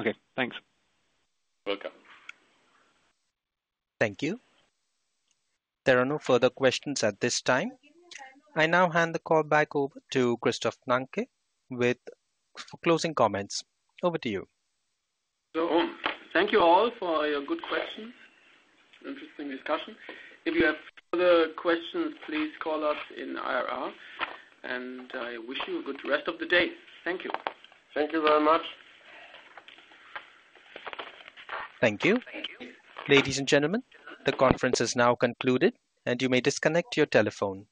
Okay, thanks. Welcome. Thank you. There are no further questions at this time. I now hand the call back over to Christoph Nanke with closing comments. Over to you. Thank you all for your good questions and interesting discussion. If you have further questions, please call us in IR, and I wish you a good rest of the day. Thank you. Thank you very much. Thank you. Ladies and gentlemen, the conference is now concluded, and you may disconnect your telephone.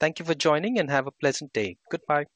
Thank you for joining, and have a pleasant day. Goodbye.